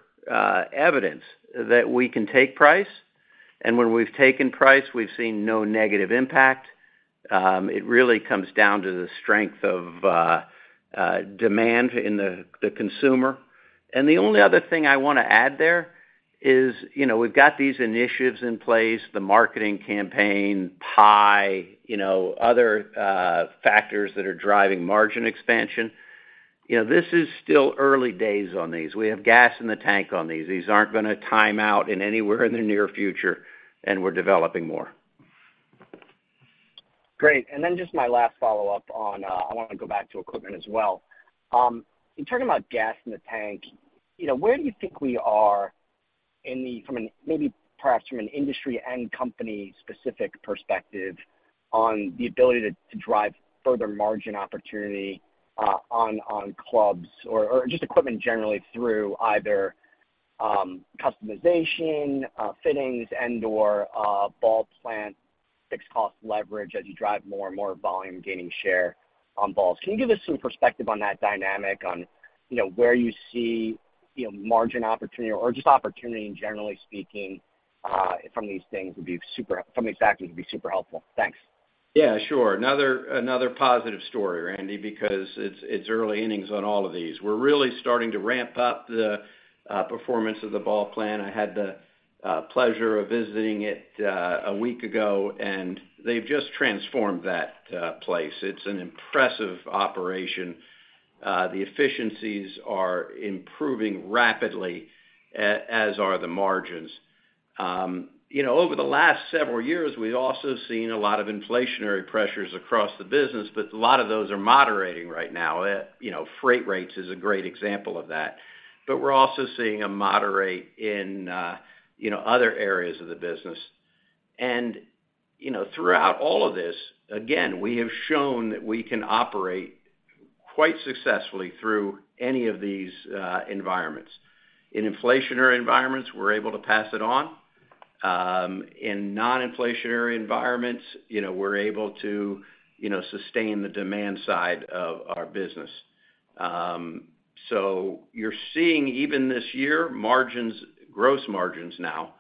evidence that we can take price, and when we've taken price, we've seen no negative impact. It really comes down to the strength of demand in the consumer. The only other thing I want to add there is, you know, we've got these initiatives in place, the marketing campaign, PIE, you know, other factors that are driving margin expansion. You know, this is still early days on these. We have gas in the tank on these. These aren't going to time out in anywhere in the near future, and we're developing more. Great. Then just my last follow-up on, I want to go back to equipment as well. In talking about gas in the tank, you know, where do you think we are in the, from an, maybe perhaps from an industry and company-specific perspective, on the ability to drive further margin opportunity on clubs or just equipment generally through either customization, fittings, and/or ball plant, fixed cost leverage, as you drive more and more volume, gaining share on balls? Can you give us some perspective on that dynamic, on, you know, where you see, you know, margin opportunity or just opportunity, generally speaking, from these things would be super helpful. Thanks. Yeah, sure. Another, another positive story, Randy, because it's, it's early innings on all of these. We're really starting to ramp up the performance of the ball plan. I had the pleasure of visiting it a week ago, and they've just transformed that place. It's an impressive operation. The efficiencies are improving rapidly, a- as are the margins. You know, over the last several years, we've also seen a lot of inflationary pressures across the business, but a lot of those are moderating right now. You know, freight rates is a great example of that. But we're also seeing a moderate in, you know, other areas of the business. You know, throughout all of this, again, we have shown that we can operate quite successfully through any of these environments. In inflationary environments, we're able to pass it on. In non-inflationary environments, you know, we're able to, you know, sustain the demand side of our business. So you're seeing, even this year, margins, gross margins now,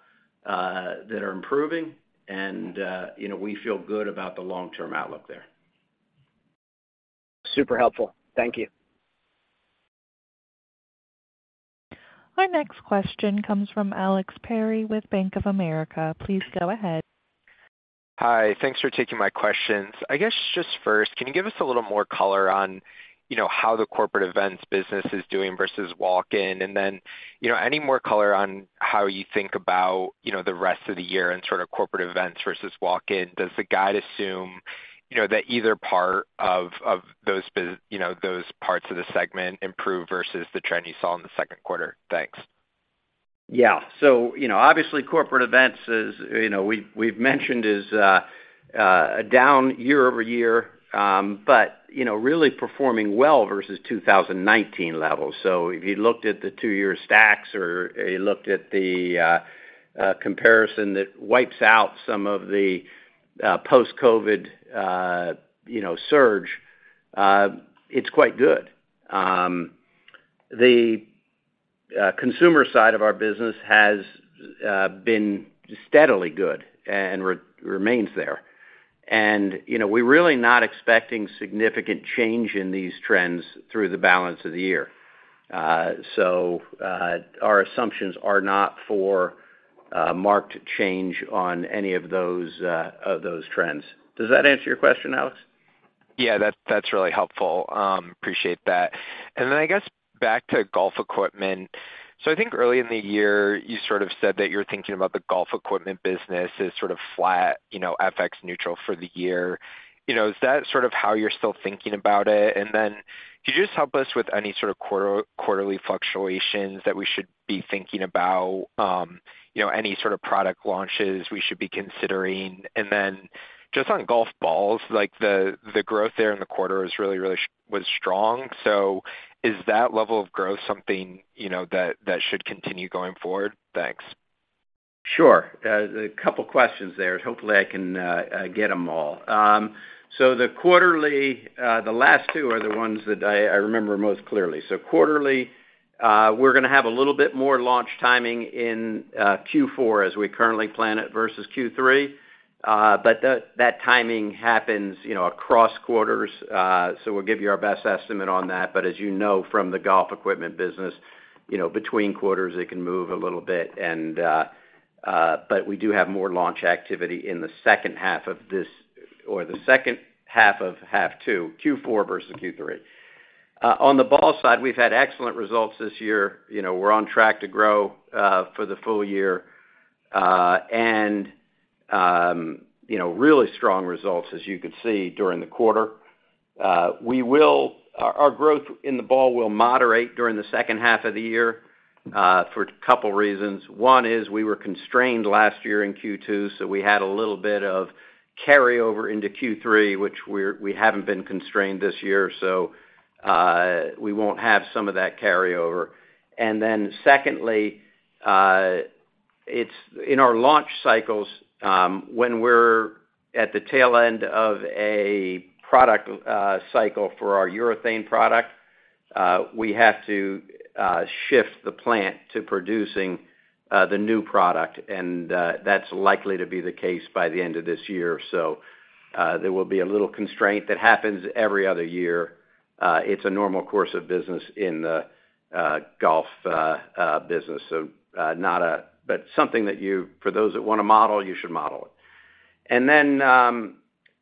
that are improving, and, you know, we feel good about the long-term outlook there. Super helpful. Thank you. Our next question comes from Alex Perry with Bank of America. Please go ahead. Hi. Thanks for taking my questions. I guess just first, can you give us a little more color on, you know, how the corporate events business is doing versus walk-in? Then, you know, any more color on how you think about, you know, the rest of the year in sort of corporate events versus walk-in. Does the guide assume, you know, that either part of those you know, those parts of the segment improve versus the trend you saw in the second quarter? Thanks. Yeah. You know, obviously, corporate events is, you know, we've, we've mentioned, is down year-over-year, but, you know, really performing well versus 2019 levels. If you looked at the two-year stacks or you looked at the comparison that wipes out some of the post-COVID, you know, surge, it's quite good. The consumer side of our business has been steadily good and re- remains there. You know, we're really not expecting significant change in these trends through the balance of the year. Our assumptions are not for marked change on any of those of those trends. Does that answer your question, Alex? Yeah, that's, that's really helpful. Appreciate that. Then I guess back to golf equipment. I think early in the year, you sort of said that you're thinking about the golf equipment business as sort of flat, you know, FX neutral for the year. You know, is that sort of how you're still thinking about it? Then could you just help us with any sort of quarter-quarterly fluctuations that we should be thinking about? You know, any sort of product launches we should be considering. Then just on golf balls, like, the, the growth there in the quarter is really was strong. Is that level of growth something, you know, that, that should continue going forward? Thanks. Sure. A couple questions there. Hopefully, I can get them all. The quarterly, the last two are the ones that I, I remember most clearly. Quarterly, we're gonna have a little bit more launch timing in Q4 as we currently plan it, versus Q3. That, that timing happens, you know, across quarters, so we'll give you our best estimate on that. As you know, from the golf equipment business, you know, between quarters, it can move a little bit. We do have more launch activity in the second half of this, or the second half of half two, Q4 versus Q3. On the ball side, we've had excellent results this year. You know, we're on track to grow for the full year. You know, really strong results, as you could see, during the quarter. Our, our growth in the ball will moderate during the second half of the year, for two reasons. One is we were constrained last year in Q2, so we had a little bit of carryover into Q3, which we haven't been constrained this year, so we won't have some of that carryover. Secondly, it's in our launch cycles, when we're at the tail end of a product, cycle for our urethane product, we have to shift the plant to producing the new product, and that's likely to be the case by the end of this year. There will be a little constraint that happens every other year. It's a normal course of business in the golf business, so not a. Something that you, for those that want to model, you should model it. Then,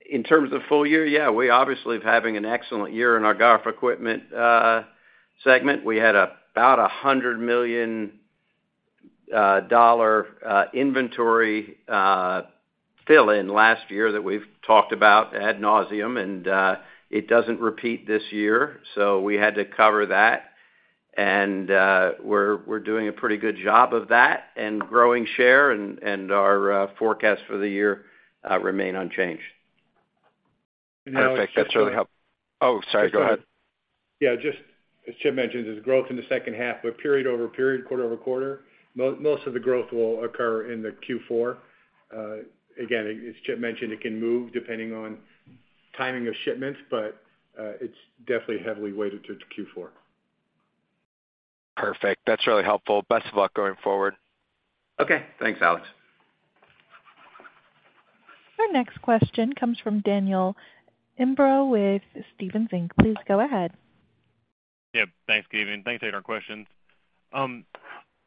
in terms of full year, yeah, we obviously are having an excellent year in our golf equipment segment. We had about a $100 million inventory fill in last year that we've talked about ad nauseam, it doesn't repeat this year, so we had to cover that. We're doing a pretty good job of that and growing share, and our forecast for the year remain unchanged. Perfect. That's really helpful. Oh, sorry, go ahead. Yeah, just as Chip mentioned, there's growth in the second half, but period-over-period, quarter-over-quarter, most of the growth will occur in the Q4. Again, as Chip mentioned, it can move depending on timing of shipments, but it's definitely heavily weighted towards Q4. Perfect. That's really helpful. Best of luck going forward. Okay. Thanks, Alex. Our next question comes from Daniel Imbro with Stephens Inc. Please go ahead. Yeah, thanks, Kevin. Thanks for taking our questions.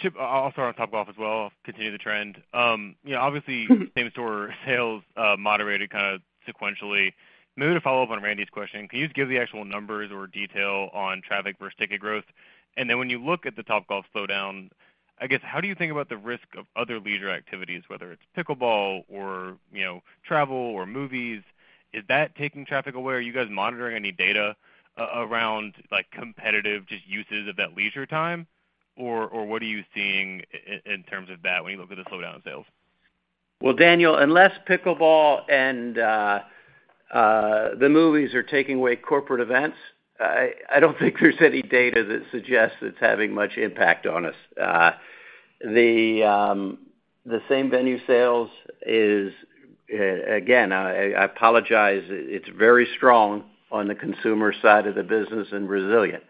Chip, I'll start on Topgolf as well, continue the trend. You know, same store sales moderated kind of sequentially. Maybe to follow up on Randy's question, can you just give the actual numbers or detail on traffic versus ticket growth? When you look at the Topgolf slowdown, I guess, how do you think about the risk of other leisure activities, whether it's pickleball or, you know, travel, or movies? Is that taking traffic away? Are you guys monitoring any data around, like, competitive, just uses of that leisure time? Or, or what are you seeing in terms of that when you look at the slowdown in sales? Well, Daniel, unless pickleball and the movies are taking away corporate events, I don't think there's any data that suggests it's having much impact on us. The same-venue sales is, again, I apologize, it's very strong on the consumer side of the business and resilient.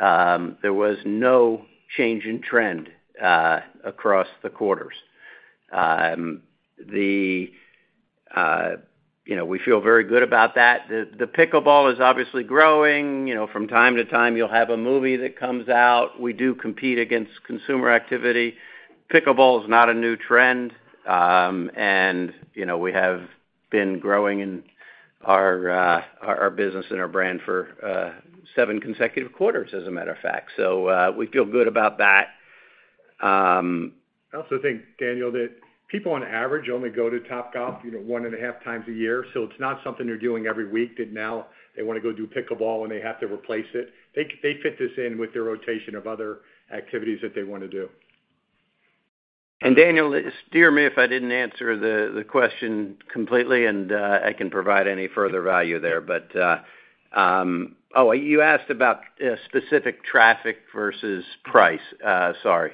There was no change in trend across the quarters. The, you know, we feel very good about that. The, the pickleball is obviously growing. You know, from time to time, you'll have a movie that comes out. We do compete against consumer activity. Pickleball is not a new trend, and you know, we have been growing in our business and our brand for seven consecutive quarters, as a matter of fact. We feel good about that. I also think, Daniel, that people on average only go to Topgolf, you know, 1.5 times a year. It's not something they're doing every week, that now they wanna go do pickleball and they have to replace it. They, they fit this in with their rotation of other activities that they wanna do. Daniel, steer me if I didn't answer the, the question completely, and I can provide any further value there. Oh, you asked about specific traffic versus price. Sorry.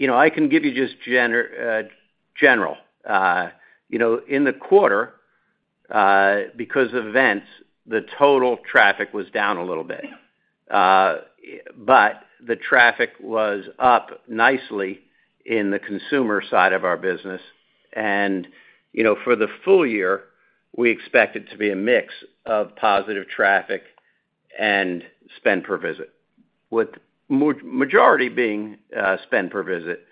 You know, I can give you just general. You know, in the quarter, because of events, the total traffic was down a little bit. The traffic was up nicely in the consumer side of our business. You know, for the full year, we expect it to be a mix of positive traffic and spend per visit, with majority being spend per visit.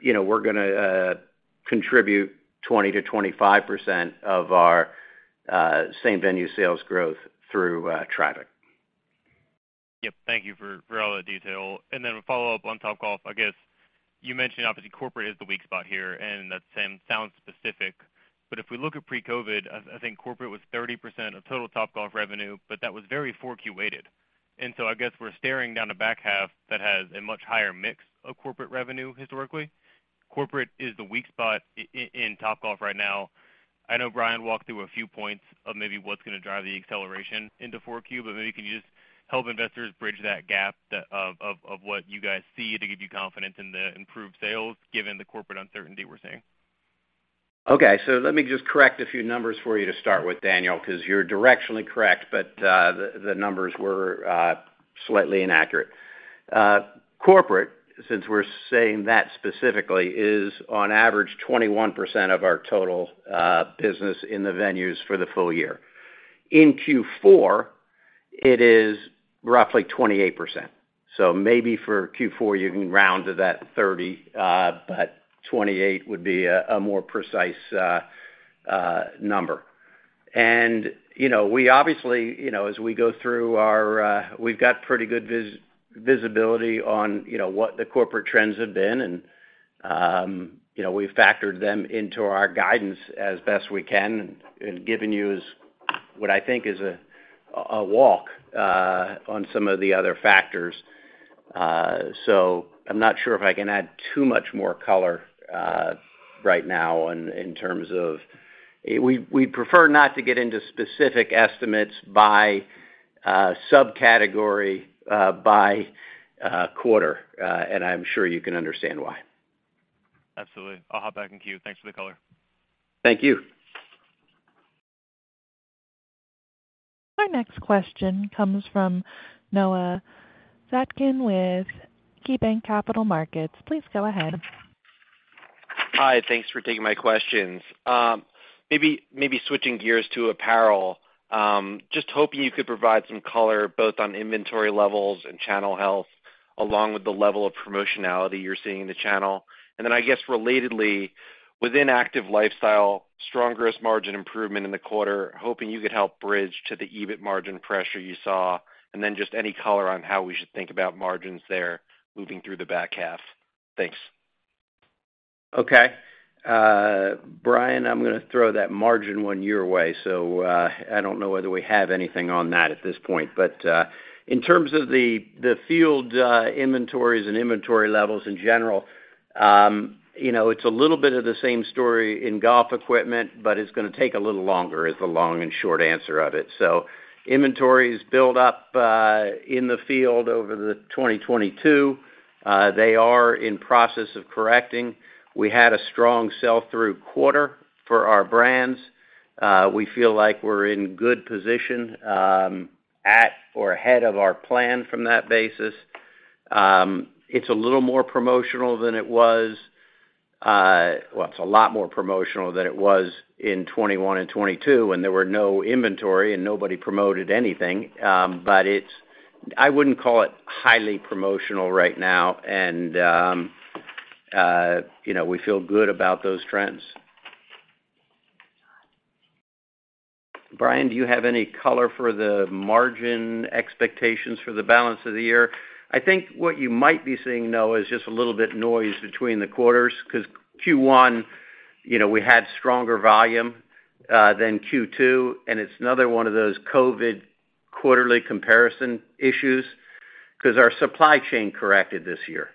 You know, we're gonna contribute 20%-25% of our same-venue sales growth through traffic. Yep. Thank you for, for all that detail. Then a follow-up on Topgolf. I guess, you mentioned obviously, corporate is the weak spot here, and that sounds specific. If we look at pre-COVID, I, I think corporate was 30% of total Topgolf revenue, but that was very 4Q weighted. I guess we're staring down the back half that has a much higher mix of corporate revenue historically. Corporate is the weak spot in Topgolf right now. I know Brian walked through a few points of maybe what's going to drive the acceleration into 4Q, but maybe you can just help investors bridge that gap of what you guys see to give you confidence in the improved sales, given the corporate uncertainty we're seeing. Okay, let me just correct a few numbers for you to start with, Daniel, because you're directionally correct, but the numbers were slightly inaccurate. Corporate, since we're saying that specifically, is on average, 21% of our total business in the venues for the full year. In Q4, it is roughly 28%. Maybe for Q4, you can round to that 30, but 28 would be a more precise number. You know, we obviously, you know, as we go through our, we've got pretty good vis-visibility on, you know, what the corporate trends have been, and, you know, we've factored them into our guidance as best we can, and, and given you is what I think is a walk on some of the other factors. I'm not sure if I can add too much more color right now in, in terms of. We, we prefer not to get into specific estimates by subcategory, by quarter. I'm sure you can understand why. Absolutely. I'll hop back in queue. Thanks for the color. Thank you. Our next question comes from Noah Zatzkin with KeyBanc Capital Markets. Please go ahead. Hi, thanks for taking my questions. Maybe, maybe switching gears to apparel, just hoping you could provide some color, both on inventory levels and channel health, along with the level of promotionality you're seeing in the channel. Then, I guess, relatedly, within Active Lifestyle, strong gross margin improvement in the quarter, hoping you could help bridge to the EBIT margin pressure you saw, then just any color on how we should think about margins there moving through the back half. Thanks. Okay. Brian, I'm going to throw that margin one your way. I don't know whether we have anything on that at this point. In terms of the field, inventories and inventory levels in general, you know, it's a little bit of the same story in golf equipment, but it's going to take a little longer, is the long and short answer of it. Inventories build up in the field over the 2022. They are in process of correcting. We had a strong sell-through quarter for our brands. We feel like we're in good position at or ahead of our plan from that basis. It's a little more promotional than it was. Well, it's a lot more promotional than it was in 2021 and 2022, when there were no inventory and nobody promoted anything. I wouldn't call it highly promotional right now, and, you know, we feel good about those trends. Brian, do you have any color for the margin expectations for the balance of the year? I think what you might be seeing, Noah, is just a little bit noise between the quarters, because Q1, you know, we had stronger volume than Q2, and it's another one of those COVID quarterly comparison issues, because our supply chain corrected this year.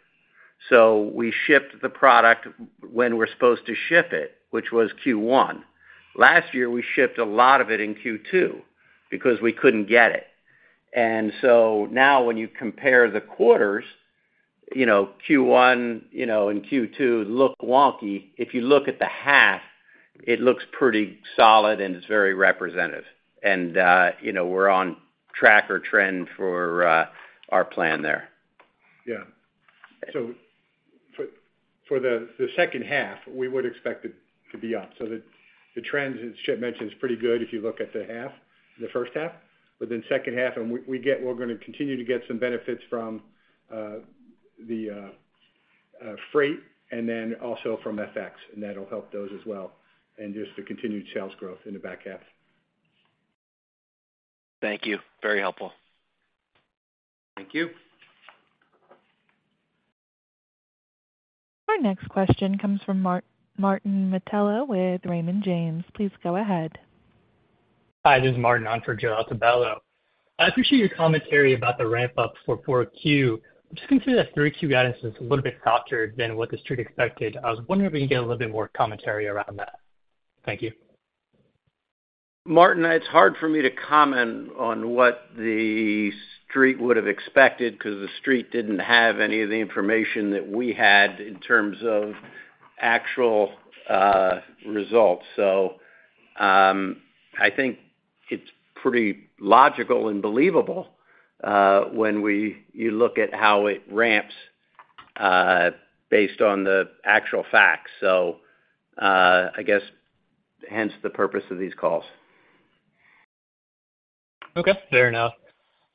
We shipped the product when we're supposed to ship it, which was Q1. Last year, we shipped a lot of it in Q2 because we couldn't get it. Now when you compare the quarters, you know, Q1, you know, and Q2 look wonky. If you look at the half, it looks pretty solid, and it's very representative. you know, we're on track or trend for our plan there. Yeah. For, for the, the second half, we would expect it to be up. The, the trends as Chip mentioned, is pretty good if you look at the half, the first half, but then second half, and we're going to continue to get some benefits from the freight and then also from FX, and that'll help those as well, and just the continued sales growth in the back half. Thank you. Very helpful. Thank you. Our next question comes from Martin Mittelberg with Raymond James. Please go ahead. Hi, this is Martin, on for Joe Altobelli. I appreciate your commentary about the ramp-up for 4Q. Just considering that 3Q guidance is a little bit softer than what the street expected, I was wondering if we can get a little bit more commentary around that. Thank you. Martin, it's hard for me to comment on what the street would have expected, because the street didn't have any of the information that we had in actual results. I think it's pretty logical and believable, when you look at how it ramps, based on the actual facts. I guess, hence the purpose of these calls. Okay, fair enough.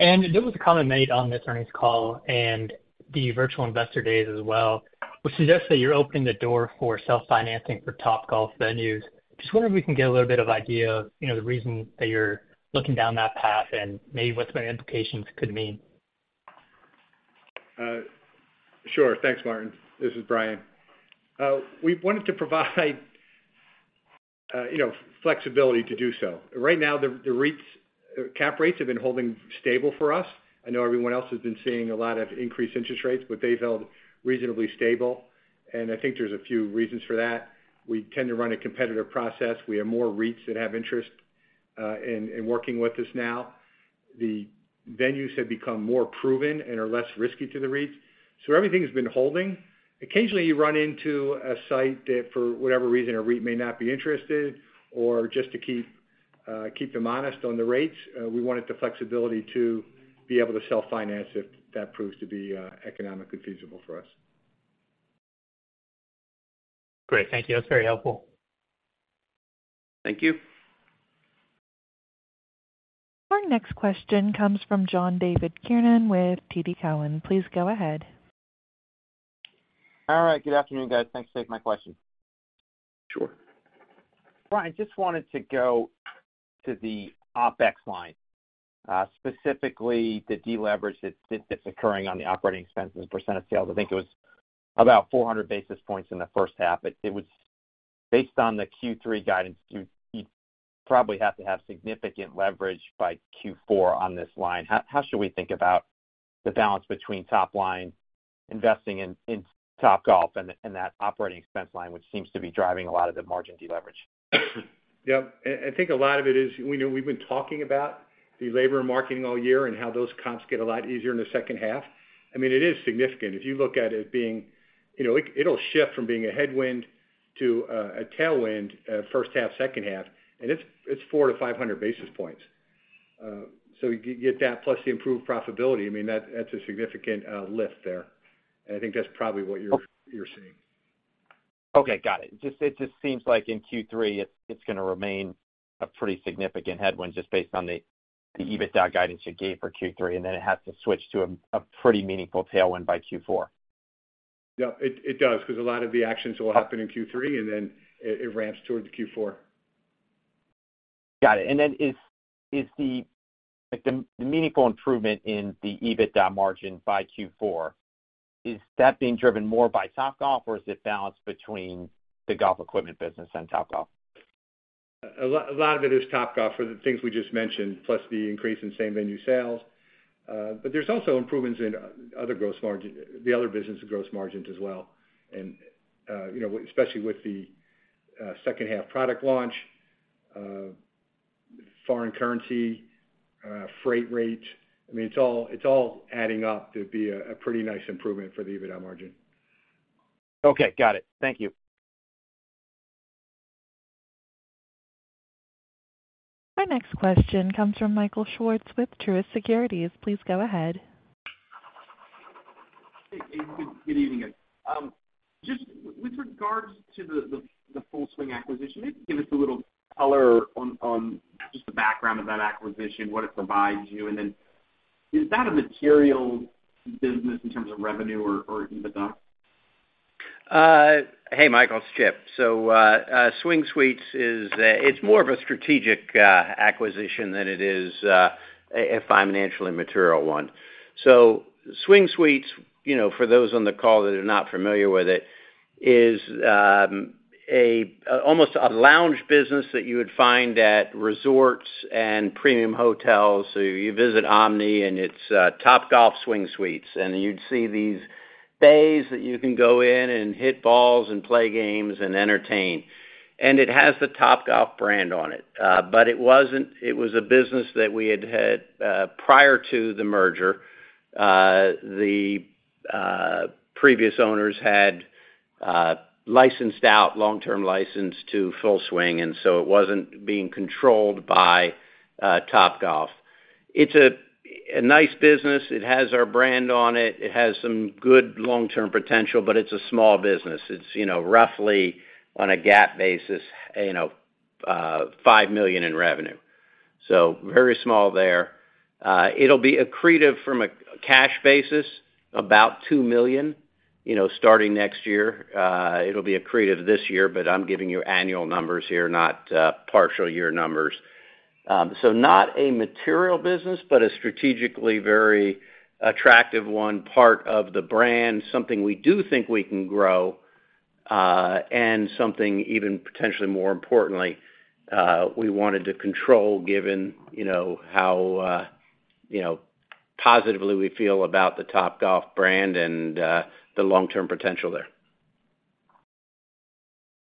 There was a comment made on this earnings call and the virtual investor days as well, which suggests that you're opening the door for self-financing for Topgolf venues. Just wondering if we can get a little bit of idea of, you know, the reason that you're looking down that path and maybe what some implications could mean? Sure. Thanks, Martin. This is Brian. We wanted to provide, you know, flexibility to do so. Right now, the, the REITs, cap rates have been holding stable for us. I know everyone else has been seeing a lot of increased interest rates, but they've held reasonably stable, and I think there's a few reasons for that. We tend to run a competitive process. We have more REITs that have interest in, in working with us now. The venues have become more proven and are less risky to the REITs, so everything has been holding. Occasionally, you run into a site that, for whatever reason, a REIT may not be interested or just to keep, keep them honest on the rates. We wanted the flexibility to be able to self-finance if that proves to be economically feasible for us. Great, thank you. That's very helpful. Thank you. Our next question comes from John Kernan with TD Cowen. Please go ahead. All right. Good afternoon, guys. Thanks for taking my question. Sure. Brian, just wanted to go to the OpEx line, specifically the deleverage that's occurring on the operating expenses percent of sales. I think it was about 400 basis points in the first half. It was based on the Q3 guidance, you probably have to have significant leverage by Q4 on this line. How, how should we think about the balance between top line investing in, in Topgolf and, and that operating expense line, which seems to be driving a lot of the margin deleverage? Yep. I, I think a lot of it is, we know we've been talking about the labor and marketing all year and how those comps get a lot easier in the second half. I mean, it is significant. If you look at it as being... You know, it, it'll shift from being a headwind to a tailwind, first half, second half, and it's, it's 400-500 basis points. You get that plus the improved profitability, I mean, that's a significant lift there, and I think that's probably what you're, you're seeing. Okay, got it. It just seems like in Q3, it's gonna remain a pretty significant headwind, just based on the EBITDA guidance you gave for Q3, then it has to switch to a pretty meaningful tailwind by Q4. Yep, it, it does, 'cause a lot of the actions will happen in Q3, then it, it ramps towards Q4. Got it. Is the, like, meaningful improvement in the EBITDA margin by Q4, is that being driven more by Topgolf, or is it balanced between the golf equipment business and Topgolf? A lot of it is Topgolf for the things we just mentioned, plus the increase in same-venue sales. There's also improvements in other gross margin, the other business gross margins as well. You know, especially with the second half product launch, foreign currency, freight rate, I mean, it's all, it's all adding up to be a pretty nice improvement for the EBITDA margin. Okay, got it. Thank you. Our next question comes from Michael Swartz with Truist Securities. Please go ahead. Hey, good, good evening, guys. Just with regards to the, the, the Full Swing acquisition, maybe give us a little color on, on just the background of that acquisition, what it provides you, and then is that a material business in terms of revenue or, or EBITDA? Hey, Michael, it's Chip. Swing Suites is a... It's more of a strategic acquisition than it is a financially material one. Swing Suites, you know, for those on the call that are not familiar with it, is almost a lounge business that you would find at resorts and premium hotels. You visit Omni, and it's Topgolf Swing Suites, and you'd see these bays that you can go in and hit balls and play games and entertain. It has the Topgolf brand on it. It was a business that we had had prior to the merger. The previous owners had licensed out long-term license to Full Swing, it wasn't being controlled by Topgolf. It's a nice business. It has our brand on it. It has some good long-term potential, but it's a small business. It's, you know, roughly on a GAAP basis, you know, $5 million in revenue, so very small there. It'll be accretive from a cash basis, about $2 million, you know, starting next year. It'll be accretive this year, but I'm giving you annual numbers here, not partial year numbers. Not a material business, but a strategically very attractive one, part of the brand, something we do think we can grow, and something even potentially more importantly, we wanted to control, given, you know, how, you know, positively we feel about the Topgolf brand and the long-term potential there....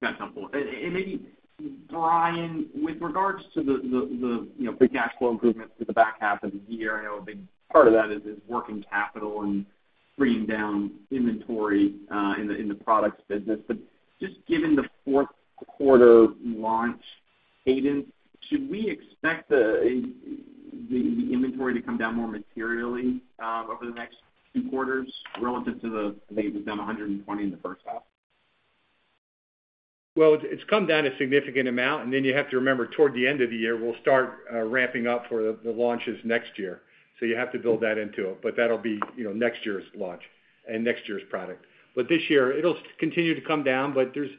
That's helpful. Maybe, Brian, with regards to the, the, the, you know, the cash flow improvements to the back half of the year, I know a big part of that is, is working capital and bringing down inventory in the, in the products business. Just given the fourth quarter launch cadence, should we expect the, the, the inventory to come down more materially over the next two quarters relative to the, I think it was down $120 in the first half? Well, it's, it's come down a significant amount, and then you have to remember, toward the end of the year, we'll start ramping up for the, the launches next year. You have to build that into it, but that'll be, you know, next year's launch and next year's product. This year, it'll continue to come down, but there's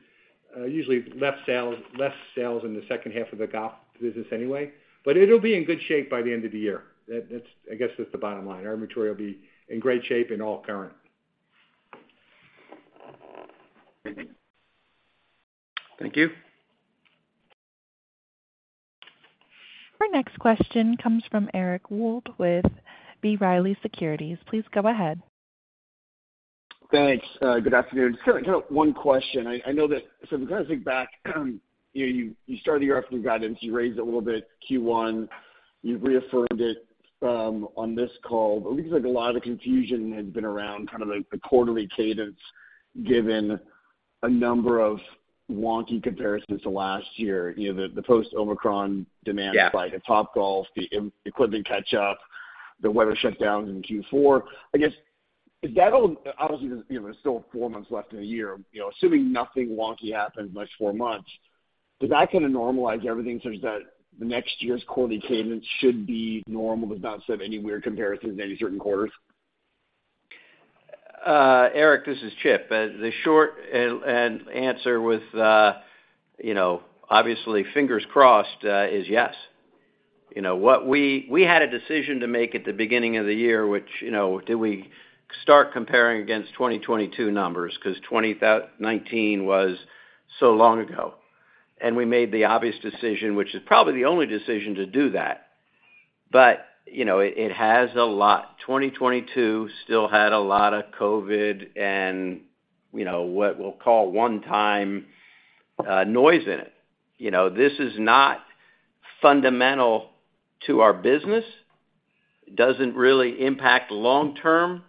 usually less sales, less sales in the second half of the golf business anyway. It'll be in good shape by the end of the year. That, that's, I guess, that's the bottom line. Our inventory will be in great shape in all current. Thank you. Our next question comes from Eric Wold with B. Riley Securities. Please go ahead. Thanks. Good afternoon. Just kind of one question. I know that. If I kind of think back, you started your afternoon guidance, you raised it a little bit Q1, you've reaffirmed it on this call. It looks like a lot of the confusion has been around kind of like the quarterly cadence, given a number of wonky comparisons to last year. You know, the, the post-Omicron demand- Yeah spike at Topgolf, the equipment catch-up, the weather shutdowns in Q4. I guess, is that all? Obviously, there's, you know, there's still four months left in the year, you know, assuming nothing wonky happens in the next four months, does that kinda normalize everything such that the next year's quarterly cadence should be normal, but not have any weird comparisons in any certain quarters? Eric, this is Chip. The short and answer with, you know, obviously, fingers crossed, is yes. You know, what we had a decision to make at the beginning of the year, which, you know, do we start comparing against 2022 numbers? 2019 was so long ago. We made the obvious decision, which is probably the only decision, to do that. But, you know, it, it has a lot. 2022 still had a lot of COVID and, you know, what we'll call one-time noise in it. You know, this is not fundamental to our business. It doesn't really impact long term,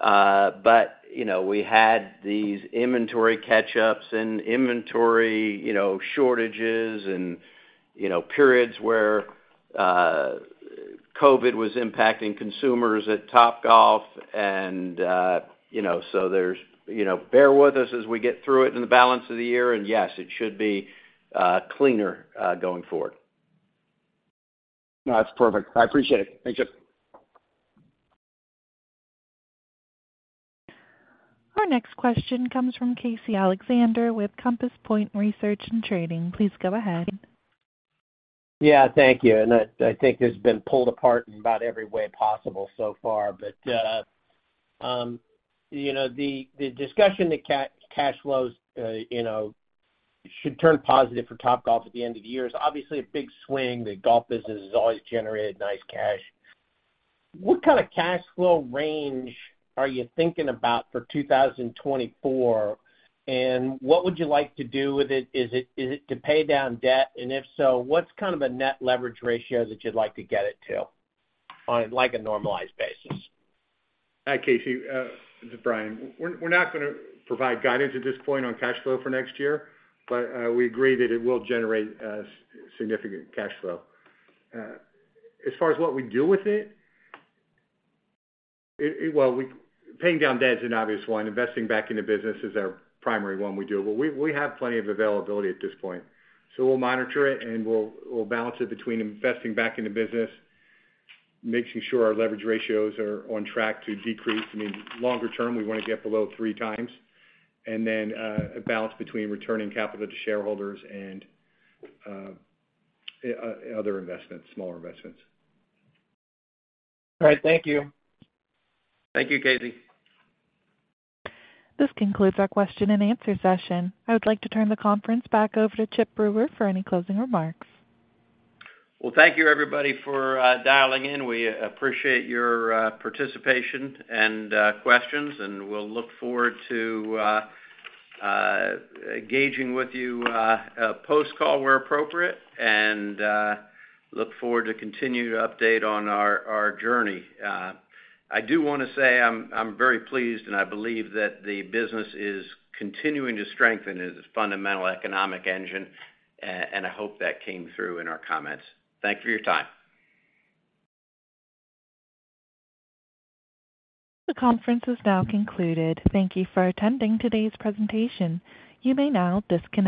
but, you know, we had these inventory catch-ups and inventory, you know, shortages and, you know, periods where COVID was impacting consumers at Topgolf, and, you know, so there's. You know, bear with us as we get through it in the balance of the year, yes, it should be cleaner going forward. No, that's perfect. I appreciate it. Thank you. Our next question comes from Casey Alexander with Compass Point Research & Trading. Please go ahead. Yeah, thank you. I, I think this has been pulled apart in about every way possible so far. You know, the discussion that cash flows, you know, should turn positive for Topgolf at the end of the year is obviously a big swing. The golf business has always generated nice cash. What kind of cash flow range are you thinking about for 2024, and what would you like to do with it? Is it, is it to pay down debt? If so, what's kind of a net leverage ratio that you'd like to get it to on, like, a normalized basis? Hi, Casey, this is Brian. We're, we're not gonna provide guidance at this point on cash flow for next year, but we agree that it will generate a significant cash flow. As far as what we do with it, paying down debt is an obvious one. Investing back in the business is our primary one we do. We, we have plenty of availability at this point, so we'll monitor it, and we'll, we'll balance it between investing back in the business, making sure our leverage ratios are on track to decrease. I mean, longer term, we want to get below three times, and then, a balance between returning capital to shareholders and other investments, smaller investments. All right. Thank you. Thank you, Casey. This concludes our question and answer session. I would like to turn the conference back over to Chip Brewer for any closing remarks. Well, thank you, everybody, for dialing in. We appreciate your participation and questions, and we'll look forward to engaging with you post-call where appropriate, and look forward to continuing to update on our, our journey. I do wanna say I'm very pleased, and I believe that the business is continuing to strengthen its fundamental economic engine, and I hope that came through in our comments. Thank you for your time. The conference is now concluded. Thank you for attending today's presentation. You may now disconnect.